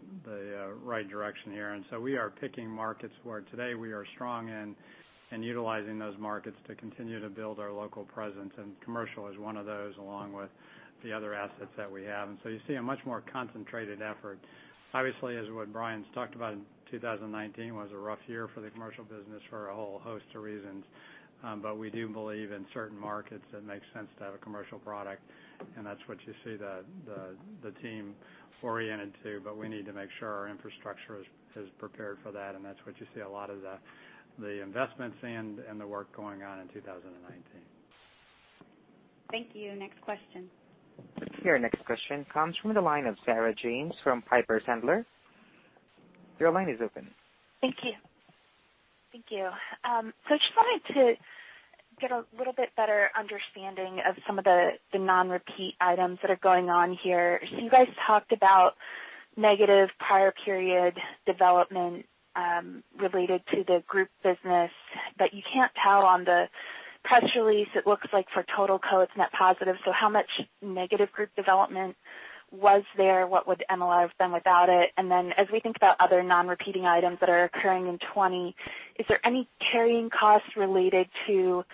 right direction here. We are picking markets where today we are strong in and utilizing those markets to continue to build our local presence, and commercial is one of those, along with the other assets that we have. You see a much more concentrated effort. Obviously, as what Brian's talked about, 2019 was a rough year for the commercial business for a whole host of reasons. We do believe in certain markets it makes sense to have a commercial product, and that's what you see the team oriented to, but we need to make sure our infrastructure is prepared for that, and that's what you see a lot of the investments in and the work going on in 2019. Thank you. Next question. Your next question comes from the line of Sarah James from Piper Sandler. Your line is open. Thank you. I just wanted to get a little bit better understanding of some of the non-repeat items that are going on here. You guys talked about negative prior period development, related to the group business. You can't tell on the press release, it looks like for total co, it's net positive. How much negative group development was there? What would MLR have been without it? As we think about other non-repeating items that are occurring in 2020, is there any carrying costs related to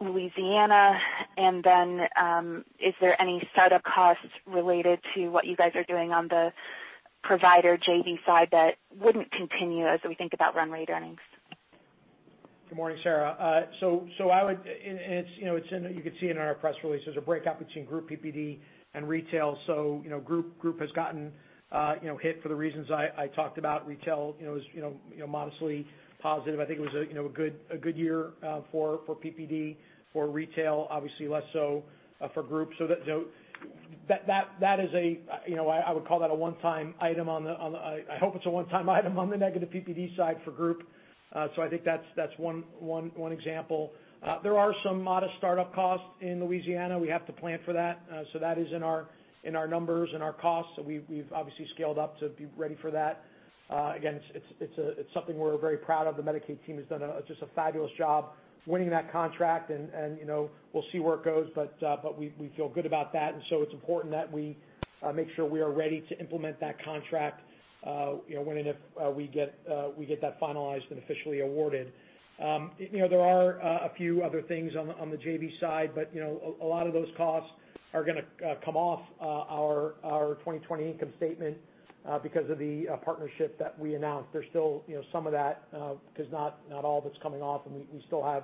Louisiana? Is there any startup costs related to what you guys are doing on the provider JV side that wouldn't continue as we think about run rate earnings? Good morning, Sarah. You could see it in our press release. There's a breakup between group PPD and retail. Group has gotten hit for the reasons I talked about. Retail is modestly positive. I think it was a good year for PPD, for retail, obviously less so for group. I would call that a one-time item. I hope it's a one-time item on the negative PPD side for group. I think that's one example. There are some modest startup costs in Louisiana. We have to plan for that. That is in our numbers and our costs. We've obviously scaled up to be ready for that. Again, it's something we're very proud of. The Medicaid team has done just a fabulous job winning that contract and we'll see where it goes, we feel good about that. It's important that we make sure we are ready to implement that contract when and if we get that finalized and officially awarded. There are a few other things on the JV side, but a lot of those costs are going to come off our 2020 income statement because of the partnership that we announced. There's still some of that because not all of it's coming off, and we still have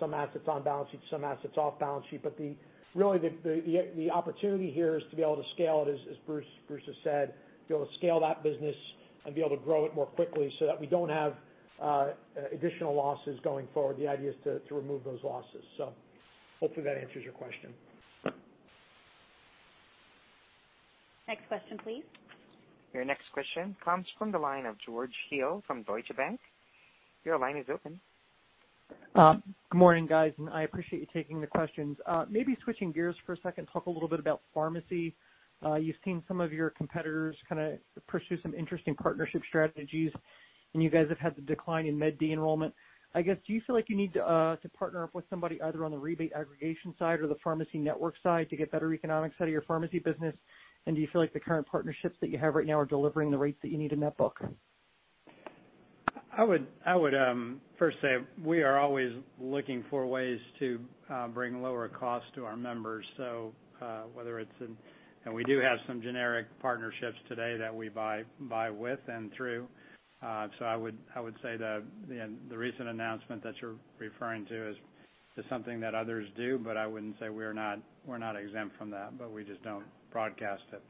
some assets on balance sheet, some assets off balance sheet. Really, the opportunity here is to be able to scale it, as Bruce has said, to be able to scale that business and be able to grow it more quickly so that we don't have additional losses going forward. The idea is to remove those losses. Hopefully that answers your question. Next question, please. Your next question comes from the line of George Hill from Deutsche Bank. Your line is open. Good morning, guys. I appreciate you taking the questions. Maybe switching gears for a second, talk a little bit about pharmacy. You've seen some of your competitors kind of pursue some interesting partnership strategies, and you guys have had the decline in Med D enrollment. I guess, do you feel like you need to partner up with somebody either on the rebate aggregation side or the pharmacy network side to get better economics out of your pharmacy business? Do you feel like the current partnerships that you have right now are delivering the rates that you need in that book? I would first say we are always looking for ways to bring lower costs to our members. We do have some generic partnerships today that we buy with and through. I would say the recent announcement that you're referring to is something that others do, but I wouldn't say we're not exempt from that, but we just don't broadcast it.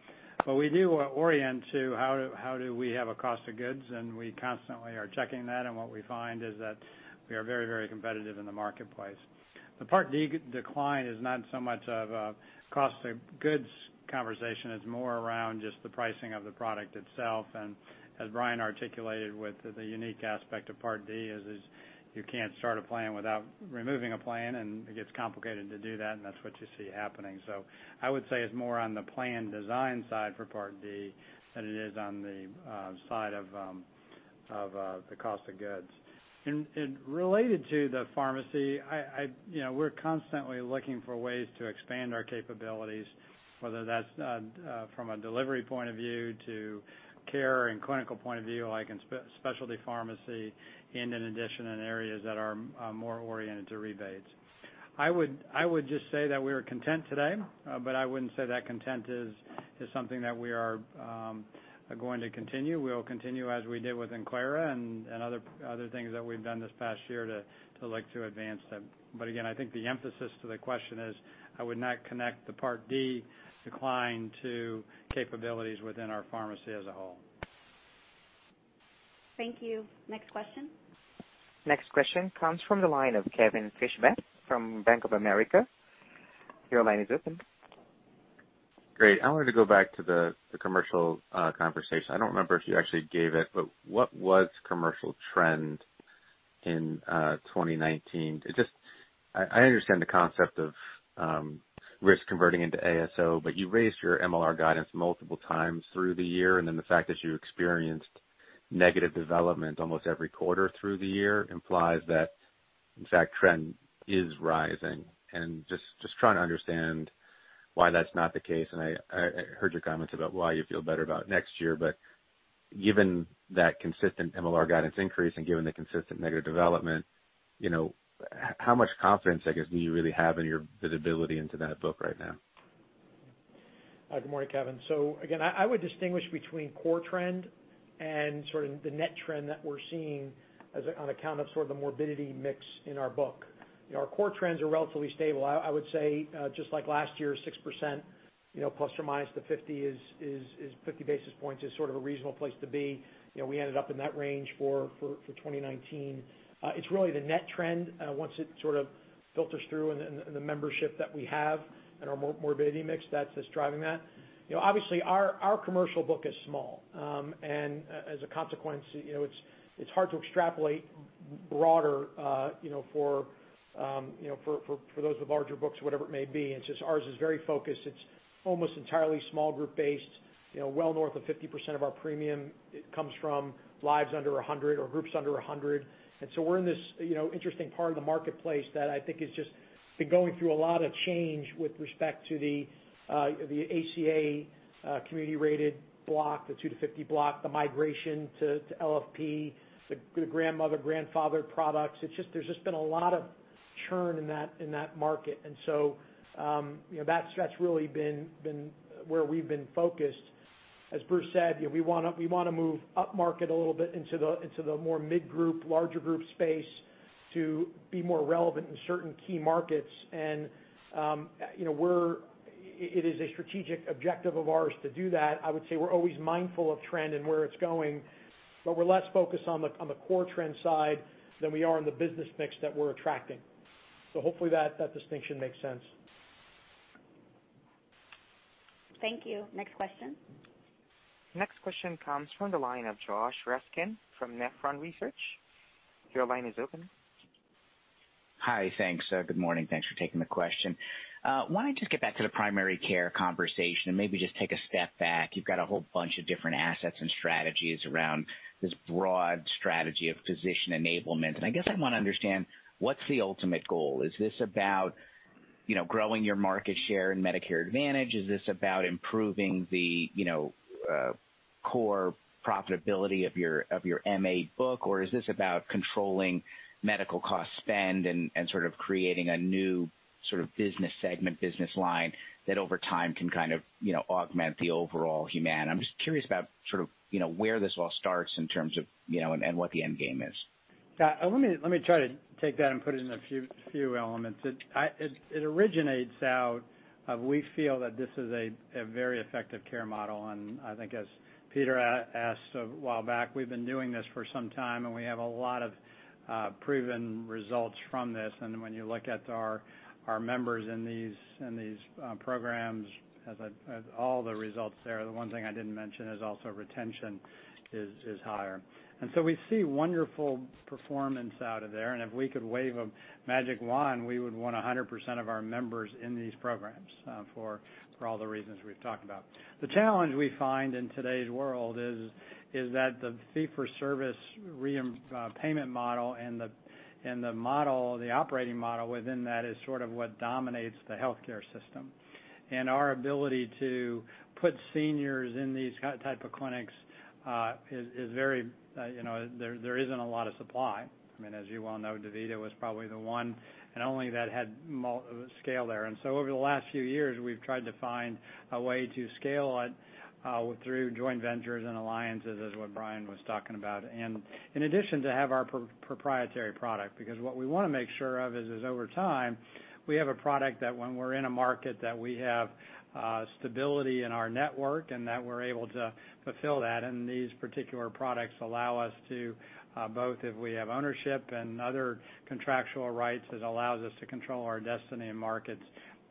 We do orient to how do we have a cost of goods, and we constantly are checking that, and what we find is that we are very competitive in the marketplace. The Part D decline is not so much of a cost of goods conversation. It's more around just the pricing of the product itself. As Brian articulated with the unique aspect of Part D is you can't start a plan without removing a plan, and it gets complicated to do that, and that's what you see happening. I would say it's more on the plan design side for Part D than it is on the side of the cost of goods. Related to the pharmacy, we're constantly looking for ways to expand our capabilities, whether that's from a delivery point of view to care and clinical point of view, like in specialty pharmacy and in addition in areas that are more oriented to rebates. I would just say that we are content today, but I wouldn't say that content is something that we are going to continue. We'll continue as we did with Enclara and other things that we've done this past year to look to advance them. Again, I think the emphasis to the question is, I would not connect the Part D decline to capabilities within our pharmacy as a whole. Thank you. Next question. Next question comes from the line of Kevin Fischbeck from Bank of America. Your line is open. Great. I wanted to go back to the commercial conversation. I don't remember if you actually gave it, but what was commercial trend in 2019? I understand the concept of risk converting into ASO, but you raised your MLR guidance multiple times through the year, and then the fact that you experienced negative development almost every quarter through the year implies that, in fact, trend is rising. Just trying to understand why that's not the case, and I heard your comments about why you feel better about next year, but given that consistent MLR guidance increase and given the consistent negative development, how much confidence, I guess, do you really have in your visibility into that book right now? Good morning, Kevin. Again, I would distinguish between core trend and sort of the net trend that we are seeing on account of sort of the morbidity mix in our book. Our core trends are relatively stable. I would say, just like last year, 6%, ±50 basis points is sort of a reasonable place to be. We ended up in that range for 2019. It's really the net trend, once it sort of filters through in the membership that we have and our morbidity mix that is driving that. Obviously, our commercial book is small. As a consequence, it's hard to extrapolate broader for those with larger books, whatever it may be. It's just ours is very focused. It's almost entirely small group based, well north of 50% of our premium comes from lives under 100 or groups under 100. We're in this interesting part of the marketplace that I think has just been going through a lot of change with respect to the ACA community rated block, the two to 50 block, the migration to LFP, the grandmother/grandfather products. There's just been a lot of churn in that market. That's really been where we've been focused. As Bruce said, we want to move upmarket a little bit into the more mid group, larger group space to be more relevant in certain key markets. It is a strategic objective of ours to do that. I would say we're always mindful of trend and where it's going, but we're less focused on the core trend side than we are on the business mix that we're attracting. Hopefully that distinction makes sense. Thank you. Next question. Next question comes from the line of Josh Raskin from Nephron Research. Your line is open. Hi, thanks. Good morning. Thanks for taking the question. Why don't I just get back to the primary care conversation and maybe just take a step back. You've got a whole bunch of different assets and strategies around this broad strategy of physician enablement. I guess I want to understand what's the ultimate goal? Is this about growing your market share in Medicare Advantage? Is this about improving the core profitability of your MA book, or is this about controlling medical cost spend and sort of creating a new business segment, business line that over time can kind of augment the overall Humana? I'm just curious about where this all starts in terms of and what the end game is. Let me try to take that and put it in a few elements. It originates out of, we feel that this is a very effective care model, and I think as Peter asked a while back, we've been doing this for some time, and we have a lot of proven results from this. When you look at our members in these programs, all the results there, the one thing I didn't mention is also retention is higher. We see wonderful performance out of there, and if we could wave a magic wand, we would want 100% of our members in these programs for all the reasons we've talked about. The challenge we find in today's world is that the fee for service payment model and the operating model within that is sort of what dominates the healthcare system. Our ability to put seniors in these type of clinics, there isn't a lot of supply. As you well know, DaVita was probably the one and only that had scale there. Over the last few years, we've tried to find a way to scale it through joint ventures and alliances, as what Brian was talking about. In addition, to have our proprietary product, because what we want to make sure of is over time, we have a product that when we're in a market, that we have stability in our network and that we're able to fulfill that. These particular products allow us to both, if we have ownership and other contractual rights, it allows us to control our destiny and markets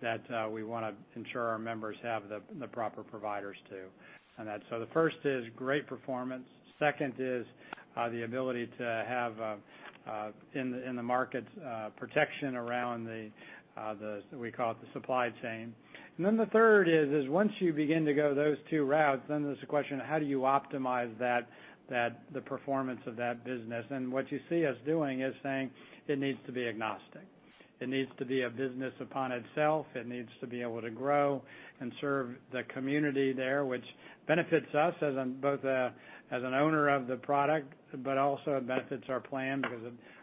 that we want to ensure our members have the proper providers too. The first is great performance. Second is the ability to have, in the market, protection around the, we call it the supply chain. The third is, once you begin to go those two routes, then there's the question of how do you optimize the performance of that business? What you see us doing is saying it needs to be agnostic. It needs to be a business upon itself. It needs to be able to grow and serve the community there, which benefits us as both an owner of the product, but also it benefits our plan because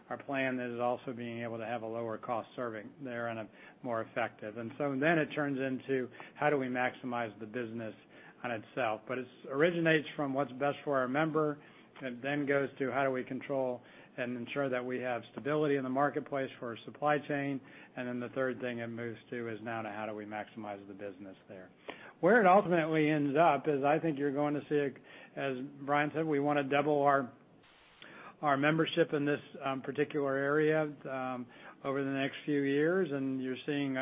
our plan is also being able to have a lower cost serving there and more effective. It turns into how do we maximize the business on itself. It originates from what's best for our member. It then goes to how do we control and ensure that we have stability in the marketplace for our supply chain, and then the third thing it moves to is now to how do we maximize the business there. Where it ultimately ends up is I think you're going to see, as Brian said, we want to double our membership in this particular area over the next few years, and you're seeing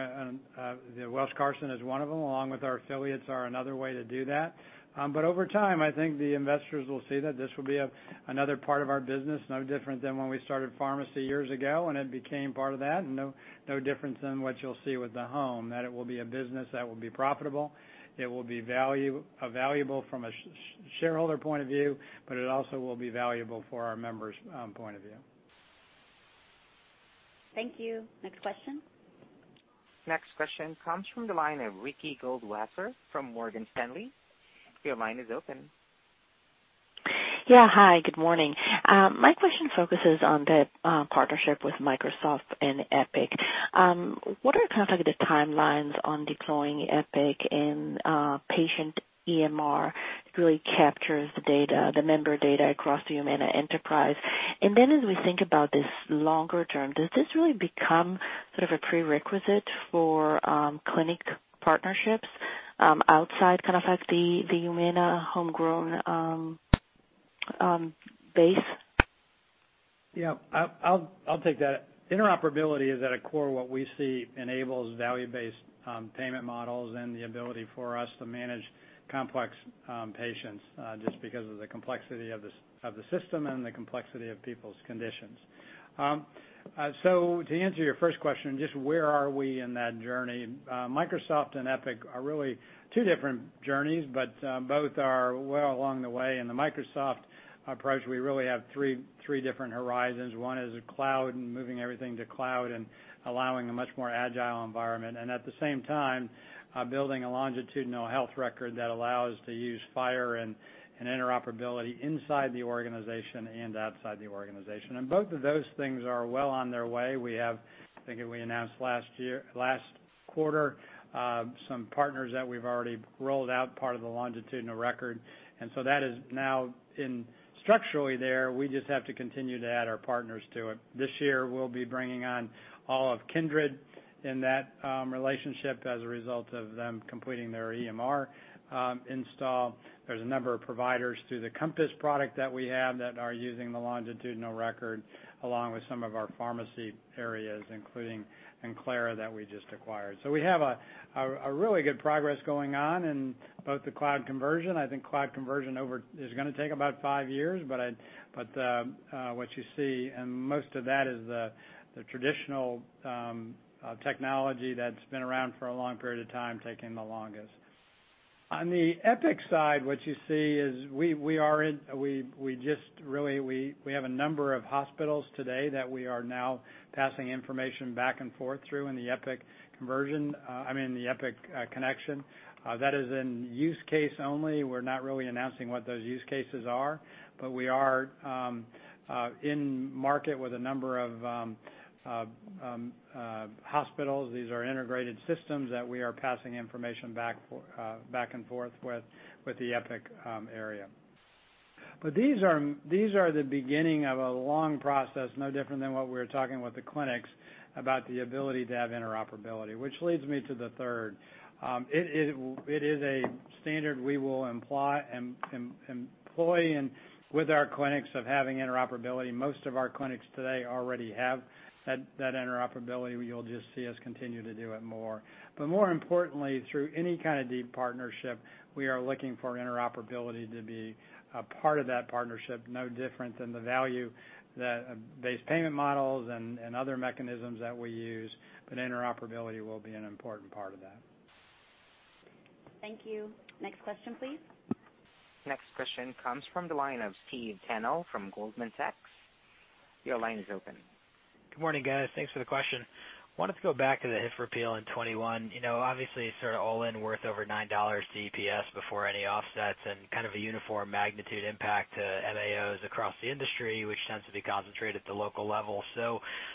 Welsh, Carson as one of them, along with our affiliates are another way to do that. Over time, I think the investors will see that this will be another part of our business, no different than when we started pharmacy years ago, and it became part of that. No difference than what you'll see with the home, that it will be a business that will be profitable. It will be valuable from a shareholder point of view, but it also will be valuable for our members' point of view. Thank you. Next question. Next question comes from the line of Ricky Goldwasser from Morgan Stanley. Your line is open. Yeah. Hi, good morning. My question focuses on the partnership with Microsoft and Epic. What are the timelines on deploying Epic and patient EMR really captures the data, the member data across the Humana enterprise? As we think about this longer term, does this really become sort of a prerequisite for clinic partnerships outside the Humana homegrown base? Yeah, I'll take that. Interoperability is at a core what we see enables value-based payment models and the ability for us to manage complex patients just because of the complexity of the system and the complexity of people's conditions. To answer your first question, just where are we in that journey? Microsoft and Epic are really two different journeys, but both are well along the way. In the Microsoft approach, we really have three different horizons. One is cloud and moving everything to cloud and allowing a much more agile environment. At the same time, building a longitudinal health record that allows to use FHIR and interoperability inside the organization and outside the organization. Both of those things are well on their way. We have, I think we announced last quarter, some partners that we've already rolled out part of the longitudinal record, and so that is now structurally there. We just have to continue to add our partners to it. This year, we'll be bringing on all of Kindred in that relationship as a result of them completing their EMR install. There's a number of providers through the Compass product that we have that are using the longitudinal record, along with some of our pharmacy areas, including Enclara that we just acquired. We have a really good progress going on in both the cloud conversion. I think cloud conversion is going to take about five years, but what you see, and most of that is the traditional technology that's been around for a long period of time taking the longest. On the Epic side, what you see is we have a number of hospitals today that we are now passing information back and forth through the Epic connection. That is in use case only. We're not really announcing what those use cases are. We are in market with a number of hospitals. These are integrated systems that we are passing information back and forth with the Epic area. These are the beginning of a long process, no different than what we were talking with the clinics about the ability to have interoperability, which leads me to the third. It is a standard we will employ with our clinics of having interoperability. Most of our clinics today already have that interoperability. You'll just see us continue to do it more. More importantly, through any kind of deep partnership, we are looking for interoperability to be a part of that partnership, no different than value-based payment models and other mechanisms that we use, but interoperability will be an important part of that. Thank you. Next question, please. Next question comes from the line of Steve Tanal from Goldman Sachs. Your line is open. Good morning, guys. Thanks for the question. Wanted to go back to the HIF repeal in 2021. Obviously, sort of all in worth over $9 to EPS before any offsets and kind of a uniform magnitude impact to MAOs across the industry, which tends to be concentrated at the local level.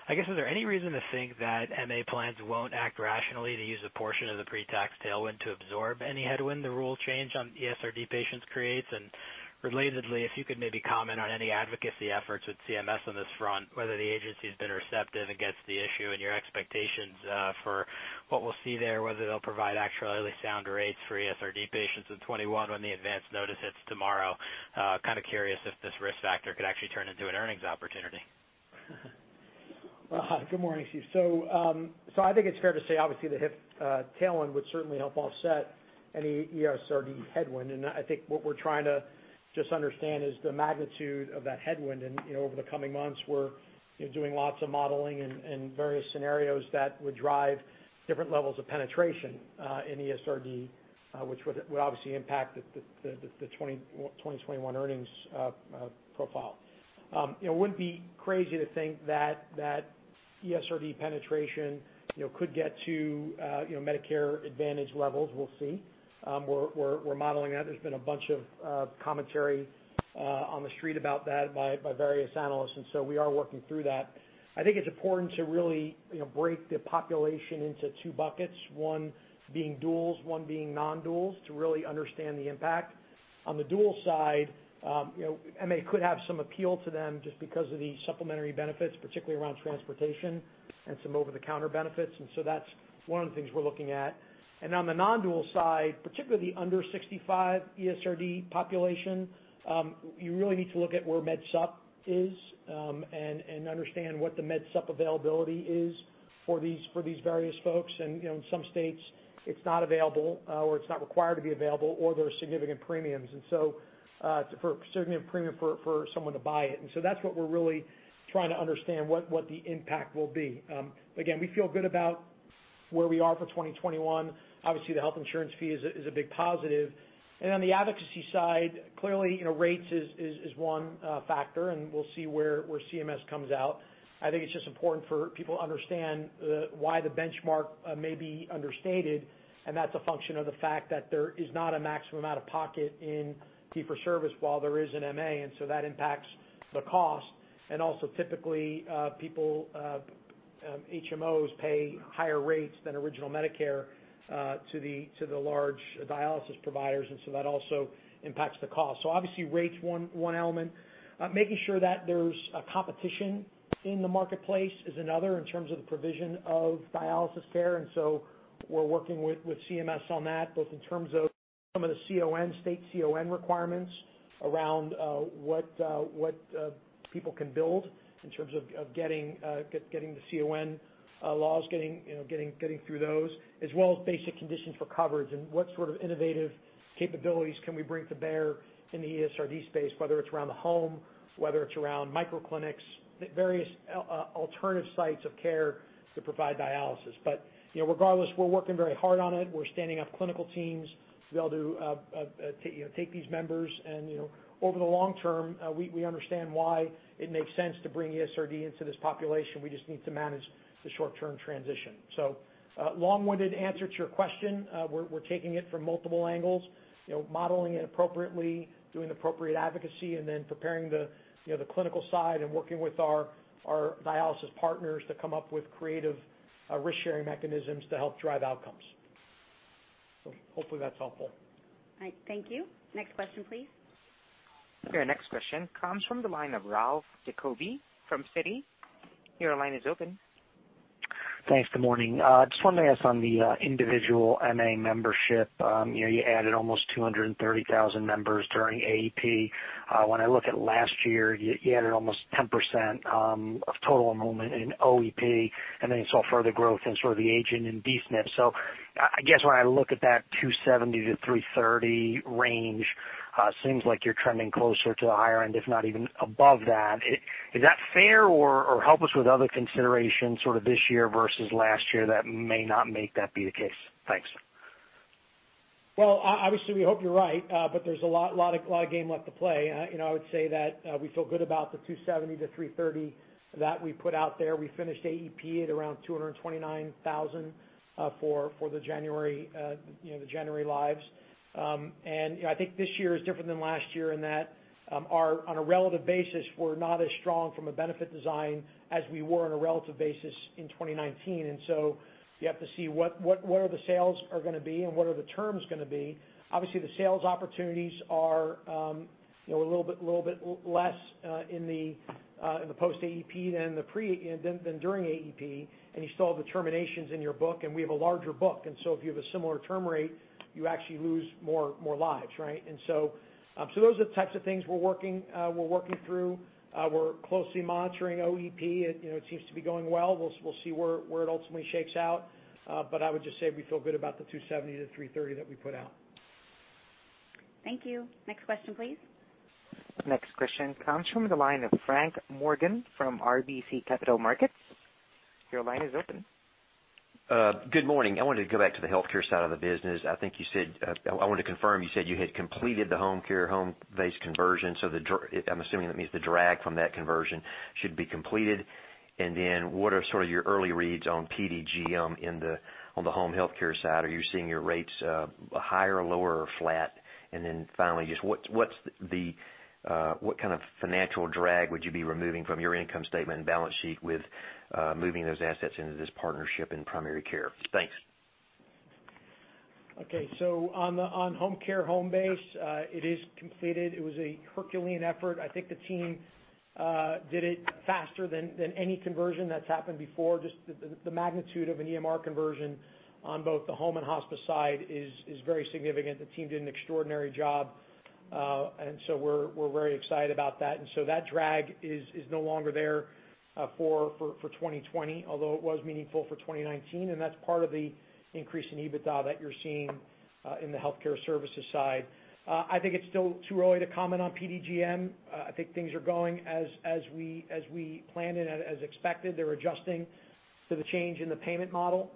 I guess, is there any reason to think that MA plans won't act rationally to use a portion of the pre-tax tailwind to absorb any headwind the rule change on ESRD patients creates? Relatedly, if you could maybe comment on any advocacy efforts with CMS on this front, whether the agency's been receptive against the issue and your expectations for what we'll see there, whether they'll provide actuarially sound rates for ESRD patients in 2021 when the advance notice hits tomorrow. Kind of curious if this risk factor could actually turn into an earnings opportunity. Good morning, Steve. I think it's fair to say, obviously, the HIF tailwind would certainly help offset any ESRD headwind. I think what we're trying to just understand is the magnitude of that headwind. Over the coming months, we're doing lots of modeling and various scenarios that would drive different levels of penetration in ESRD, which would obviously impact the 2021 earnings profile. It wouldn't be crazy to think that ESRD penetration could get to Medicare Advantage levels. We'll see. We're modeling that. There's been a bunch of commentary on the street about that by various analysts. We are working through that. I think it's important to really break the population into two buckets, one being duals, one being non-duals, to really understand the impact. On the dual side, MA could have some appeal to them just because of the supplementary benefits, particularly around transportation and some over-the-counter benefits. That's one of the things we're looking at. On the non-dual side, particularly under 65 ESRD population, you really need to look at where Med Sup is, and understand what the Med Sup availability is for these various folks. In some states, it's not available or it's not required to be available, or there are significant premiums. For a significant premium for someone to buy it. That's what we're really trying to understand what the impact will be. Again, we feel good about where we are for 2021. Obviously, the Health Insurance Fee is a big positive. On the advocacy side, clearly, rates is one factor, and we'll see where CMS comes out. I think it's just important for people to understand why the benchmark may be understated, and that's a function of the fact that there is not a maximum out-of-pocket in fee-for-service while there is in MA, and so that impacts the cost. Also, typically, HMOs pay higher rates than original Medicare to the large dialysis providers, and so that also impacts the cost. Obviously, rate's one element. Making sure that there's competition in the marketplace is another in terms of the provision of dialysis care. We're working with CMS on that, both in terms of some of the state CON requirements around what people can build in terms of getting the CON laws, getting through those, as well as basic conditions for coverage and what sort of innovative capabilities can we bring to bear in the ESRD space, whether it's around the home, whether it's around micro clinics, various alternative sites of care to provide dialysis. Regardless, we're working very hard on it. We're standing up clinical teams to be able to take these members, and over the long term, we understand why it makes sense to bring ESRD into this population. We just need to manage the short-term transition. Long-winded answer to your question. We're taking it from multiple angles, modeling it appropriately, doing appropriate advocacy, and then preparing the clinical side and working with our dialysis partners to come up with creative risk-sharing mechanisms to help drive outcomes. Hopefully that's helpful. All right. Thank you. Next question, please. Your next question comes from the line of Ralph Giacobbe from Citi. Your line is open. Thanks. Good morning. Just wanted to ask on the individual MA membership, you added almost 230,000 members during AEP. When I look at last year, you added almost 10% of total enrollment in OEP. You saw further growth in sort of the aging in D-SNP. I guess when I look at that 270-330 range, seems like you're trending closer to the higher end, if not even above that. Is that fair? Help us with other considerations sort of this year versus last year that may not make that be the case. Thanks. Well, obviously, we hope you're right. There's a lot of game left to play. I would say that we feel good about the 270 to 330 that we put out there. We finished AEP at around 229,000 for the January lives. I think this year is different than last year in that on a relative basis, we're not as strong from a benefit design as we were on a relative basis in 2019. You have to see what are the sales are going to be and what are the terms going to be. Obviously, the sales opportunities are a little bit less in the post AEP than during AEP. You still have the terminations in your book. We have a larger book. If you have a similar term rate, you actually lose more lives, right? Those are the types of things we're working through. We're closely monitoring OEP. It seems to be going well. We'll see where it ultimately shakes out. I would just say we feel good about the 270-330 that we put out. Thank you. Next question, please. Next question comes from the line of Frank Morgan from RBC Capital Markets. Your line is open. Good morning. I wanted to go back to the healthcare side of the business. I want to confirm, you said you had completed the Homecare Homebase conversion, so I'm assuming that means the drag from that conversion should be completed. And then what are sort of your early reads on PDGM on the home healthcare side? Are you seeing your rates higher or lower or flat? And then finally, just what kind of financial drag would you be removing from your income statement and balance sheet with moving those assets into this Partners in Primary Care? Thanks. On Homecare Homebase, it is completed. It was a Herculean effort. I think the team did it faster than any conversion that's happened before. The magnitude of an EMR conversion on both the home and hospice side is very significant. The team did an extraordinary job. We're very excited about that. That drag is no longer there for 2020, although it was meaningful for 2019, and that's part of the increase in EBITDA that you're seeing in the healthcare services side. I think it's still too early to comment on PDGM. I think things are going as we planned and as expected. They're adjusting to the change in the payment model.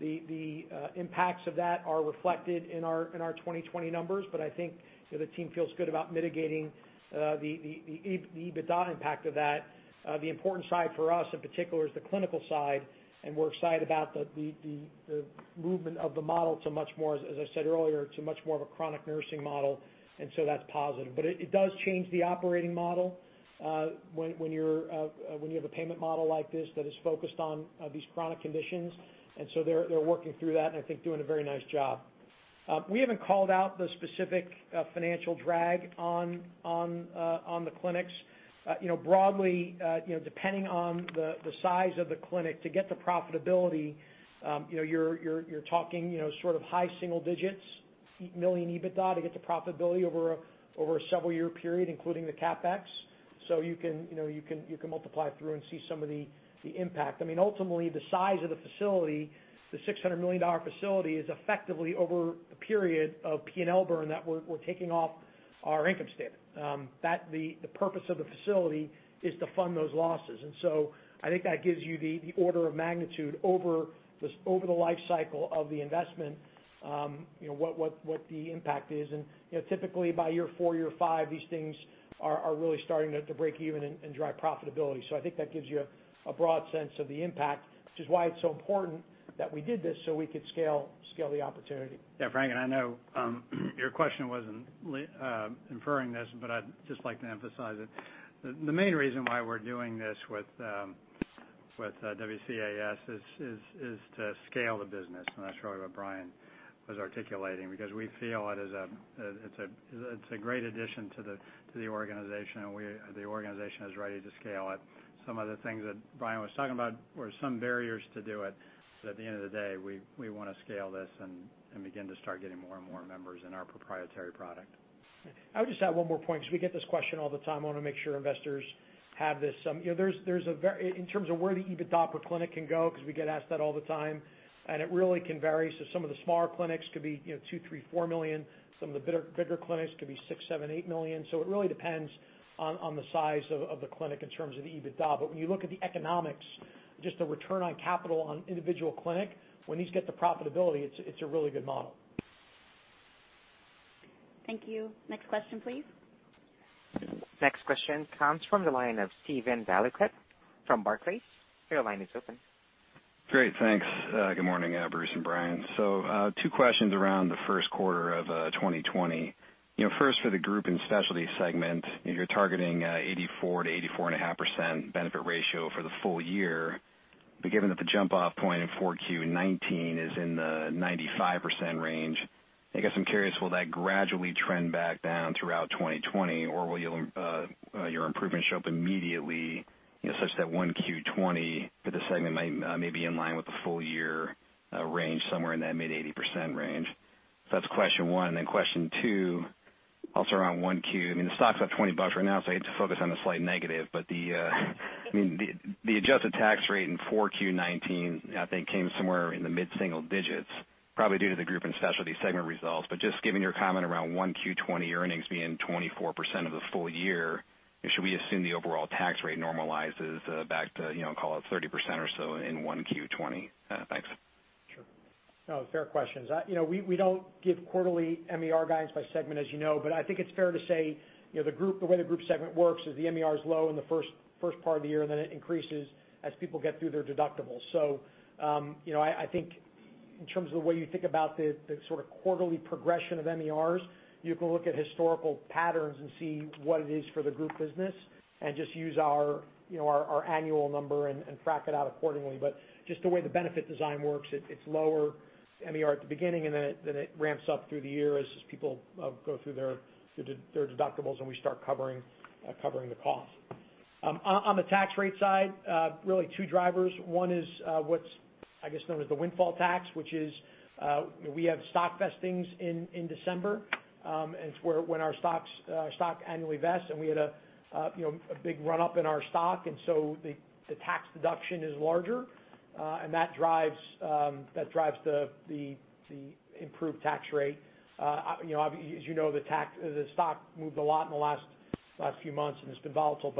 The impacts of that are reflected in our 2020 numbers. I think the team feels good about mitigating the EBITDA impact of that. The important side for us in particular is the clinical side. We're excited about the movement of the model to much more, as I said earlier, to much more of a chronic nursing model. That's positive. It does change the operating model, when you have a payment model like this that is focused on these chronic conditions. They're working through that and I think doing a very nice job. We haven't called out the specific financial drag on the clinics. Broadly, depending on the size of the clinic, to get to profitability, you're talking sort of high single digits, million EBITDA to get to profitability over a several year period, including the CapEx. You can multiply through and see some of the impact. Ultimately, the size of the facility, the $600 million facility, is effectively over a period of P&L burn that we're taking off our income statement. The purpose of the facility is to fund those losses. I think that gives you the order of magnitude over the life cycle of the investment, what the impact is. Typically by year four, year five, these things are really starting to break even and drive profitability. I think that gives you a broad sense of the impact, which is why it's so important that we did this so we could scale the opportunity. Yeah, Frank, and I know your question wasn't inferring this, but I'd just like to emphasize it. The main reason why we're doing this with WCAS is to scale the business, and that's really what Brian was articulating, because we feel it's a great addition to the organization, and the organization is ready to scale it. Some of the things that Brian was talking about were some barriers to do it, but at the end of the day, we want to scale this and begin to start getting more and more members in our proprietary product. I would just add one more point, because we get this question all the time. I want to make sure investors have this. In terms of where the EBITDA per clinic can go, because we get asked that all the time, and it really can vary. Some of the smaller clinics could be $2 million, $3 million, $4 million. Some of the bigger clinics could be $6 million, $7 million, $8 million. It really depends on the size of the clinic in terms of the EBITDA. When you look at the economics, just the return on capital on individual clinic, when these get to profitability, it's a really good model. Thank you. Next question, please. Next question comes from the line of Steven Valiquette from Barclays. Your line is open. Great. Thanks. Good morning, Bruce and Brian. Two questions around the Q1 of 2020. First, for the group and specialty segment, you're targeting 84%-84.5% benefit ratio for the full year. Given that the jump off point in 4Q 2019 is in the 95% range, I guess I'm curious, will that gradually trend back down throughout 2020? Will your improvements show up immediately, such that 1Q 2020 for the segment may be in line with the full year range, somewhere in that mid-80% range? That's question one. Question two, also around 1Q. The stock's up $20 right now, I hate to focus on a slight negative, the adjusted tax rate in 4Q 2019, I think, came somewhere in the mid-single digits, probably due to the group and specialty segment results. Just given your comment around 1Q 2020 earnings being 24% of the full year, should we assume the overall tax rate normalizes back to, call it 30% or so in 1Q 2020? Thanks. Sure. No, fair questions. We don't give quarterly MER guidance by segment, as you know. I think it's fair to say the way the group segment works is the MER is low in the first part of the year, and then it increases as people get through their deductibles. I think in terms of the way you think about the sort of quarterly progression of MERs, you can look at historical patterns and see what it is for the group business and just use our annual number and track it out accordingly. Just the way the benefit design works, it's lower MER at the beginning, and then it ramps up through the year as people go through their deductibles, and we start covering the cost. The tax rate side, really two drivers. One is what's, I guess, known as the windfall tax, which is we have stock vestings in December. It's when our stock annually vests, we had a big run-up in our stock, the tax deduction is larger. That drives the improved tax rate. As you know, the stock moved a lot in the last few months, and it's been volatile.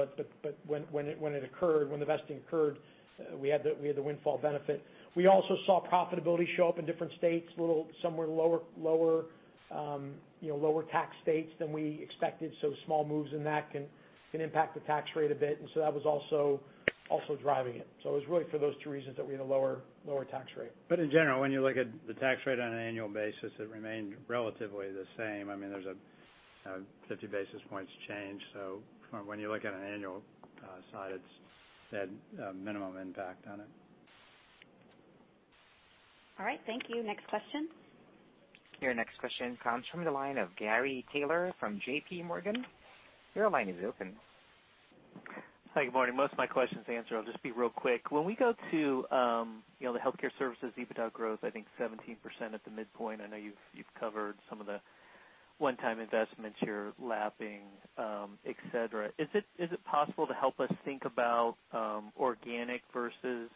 When it occurred, when the vesting occurred, we had the windfall benefit. We also saw profitability show up in different states, some were lower tax states than we expected. Small moves in that can impact the tax rate a bit. That was also driving it. It was really for those two reasons that we had a lower tax rate. In general, when you look at the tax rate on an annual basis, it remained relatively the same. There is a 50 basis points change. When you look at an annual side, it has had a minimum impact on it. All right. Thank you. Next question. Your next question comes from the line of Gary Taylor from JPMorgan. Your line is open. Hi, good morning. Most of my questions are answered. I'll just be real quick. When we go to the healthcare services EBITDA growth, I think 17% at the midpoint. I know you've covered some of the one-time investments you're lapping, et cetera. Is it possible to help us think about organic versus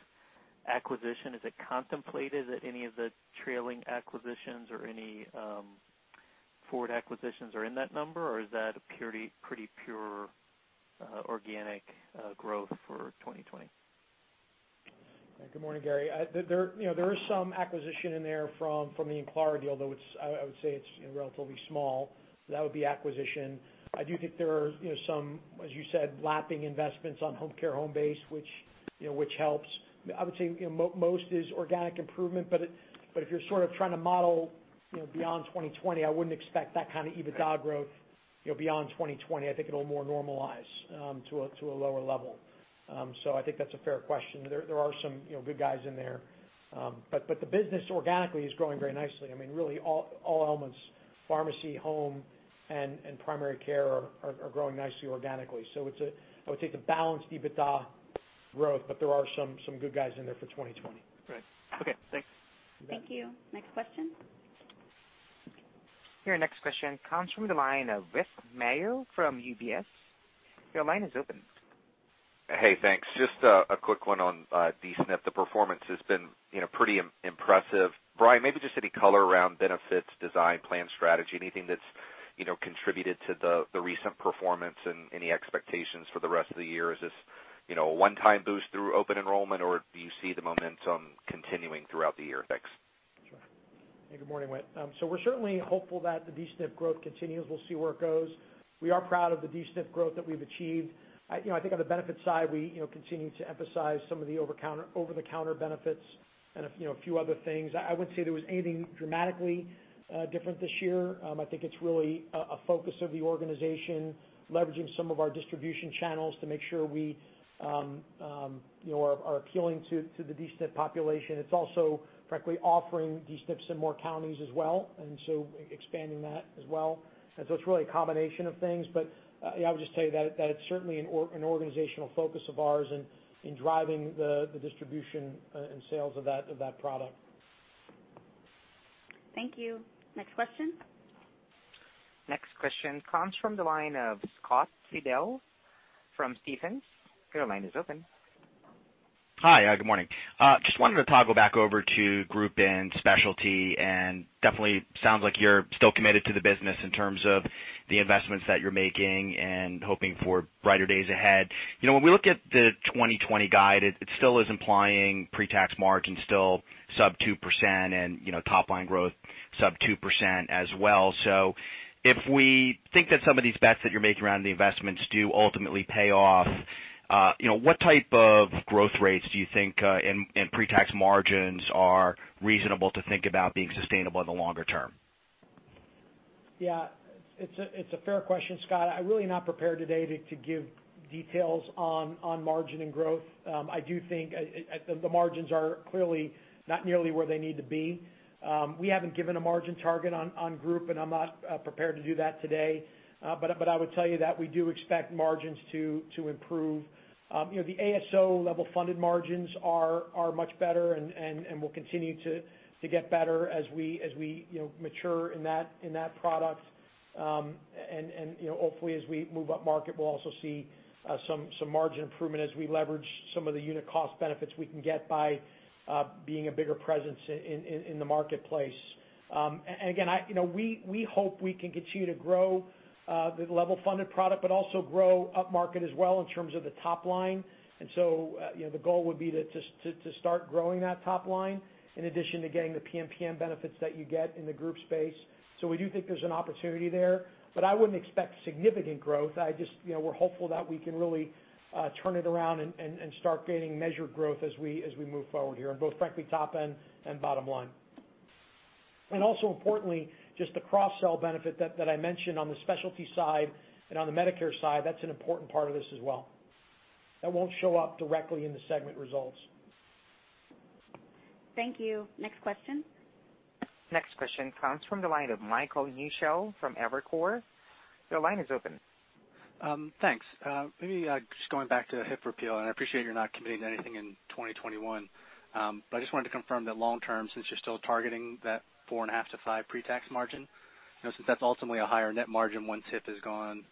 acquisition? Is it contemplated that any of the trailing acquisitions or any forward acquisitions are in that number, or is that a pretty pure organic growth for 2020? Good morning, Gary. There is some acquisition in there from the Enclara deal, though I would say it's relatively small. That would be acquisition. I do think there are some, as you said, lapping investments on Homecare Homebase, which helps. I would say most is organic improvement, but if you're sort of trying to model beyond 2020, I wouldn't expect that kind of EBITDA growth beyond 2020. I think it'll more normalize to a lower level. I think that's a fair question. There are some good guys in there. The business organically is growing very nicely. Really, all elements, pharmacy, home, and primary care are growing nicely organically. I would say it's a balanced EBITDA growth, but there are some good guys in there for 2020. Right. Okay, thanks. Thank you. Next question. Your next question comes from the line of Whit Mayo from UBS. Your line is open. Hey, thanks. Just a quick one on D-SNP. The performance has been pretty impressive. Brian, maybe just any color around benefits, design, plan, strategy, anything that's contributed to the recent performance and any expectations for the rest of the year. Is this a one-time boost through open enrollment, or do you see the momentum continuing throughout the year? Thanks. Sure. Hey, good morning, Whit. We're certainly hopeful that the D-SNP growth continues. We'll see where it goes. We are proud of the D-SNP growth that we've achieved. I think on the benefit side, we continue to emphasize some of the over-the-counter benefits and a few other things. I wouldn't say there was anything dramatically different this year. I think it's really a focus of the organization leveraging some of our distribution channels to make sure we are appealing to the D-SNP population. It's also, frankly, offering D-SNPs in more counties as well, expanding that as well. It's really a combination of things. Yeah, I would just tell you that it's certainly an organizational focus of ours in driving the distribution and sales of that product. Thank you. Next question. Next question comes from the line of Scott Fidel from Stephens. Your line is open. Hi, good morning. Just wanted to toggle back over to group and specialty, and definitely sounds like you're still committed to the business in terms of the investments that you're making and hoping for brighter days ahead. When we look at the 2020 guide, it still is implying pre-tax margin still sub 2% and top line growth sub 2% as well. If we think that some of these bets that you're making around the investments do ultimately pay off, what type of growth rates do you think, and pre-tax margins are reasonable to think about being sustainable in the longer term? Yeah, it's a fair question, Scott. I'm really not prepared today to give details on margin and growth. I do think the margins are clearly not nearly where they need to be. We haven't given a margin target on group, and I'm not prepared to do that today. I would tell you that we do expect margins to improve. The ASO level funded margins are much better and will continue to get better as we mature in that product. Hopefully, as we move up market, we'll also see some margin improvement as we leverage some of the unit cost benefits we can get by being a bigger presence in the marketplace. Again, we hope we can continue to grow the level funded product, but also grow up market as well in terms of the top line. The goal would be to start growing that top line in addition to getting the PMPM benefits that you get in the group space. We do think there's an opportunity there, but I wouldn't expect significant growth. We're hopeful that we can really turn it around and start gaining measured growth as we move forward here on both, frankly, top and bottom line. Importantly, just the cross-sell benefit that I mentioned on the specialty side and on the Medicare side, that's an important part of this as well. That won't show up directly in the segment results. Thank you. Next question. Next question comes from the line of Michael Newshel from Evercore. Your line is open. Thanks. Maybe just going back to the HIF repeal. I appreciate you're not committing to anything in 2021. I just wanted to confirm that long term, since you're still targeting that 4.5 to 5 pre-tax margin, since that's ultimately a higher net margin once HIF is gone.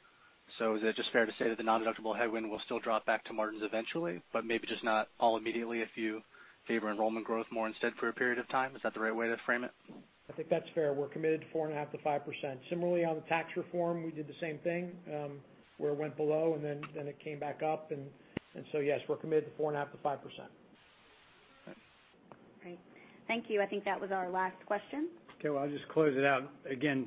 Is it just fair to say that the non-deductible headwind will still drop back to margins eventually, but maybe just not all immediately if you favor enrollment growth more instead for a period of time? Is that the right way to frame it? I think that's fair. We're committed 4.5%-5%. Similarly, on the tax reform, we did the same thing, where it went below and then it came back up. Yes, we're committed to 4.5%-5%. Great. Thank you. I think that was our last question. Okay, well, I'll just close it out.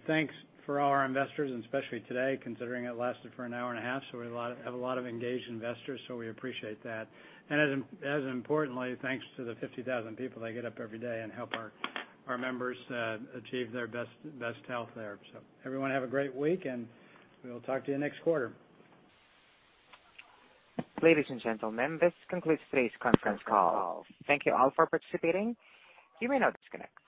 Thanks for all our investors, especially today, considering it lasted for an hour and a half. We have a lot of engaged investors. We appreciate that. As importantly, thanks to the 50,000 people that get up every day and help our members achieve their best health there. Everyone have a great week, we'll talk to you next quarter. Ladies and gentlemen, this concludes today's conference call. Thank you all for participating. You may now disconnect.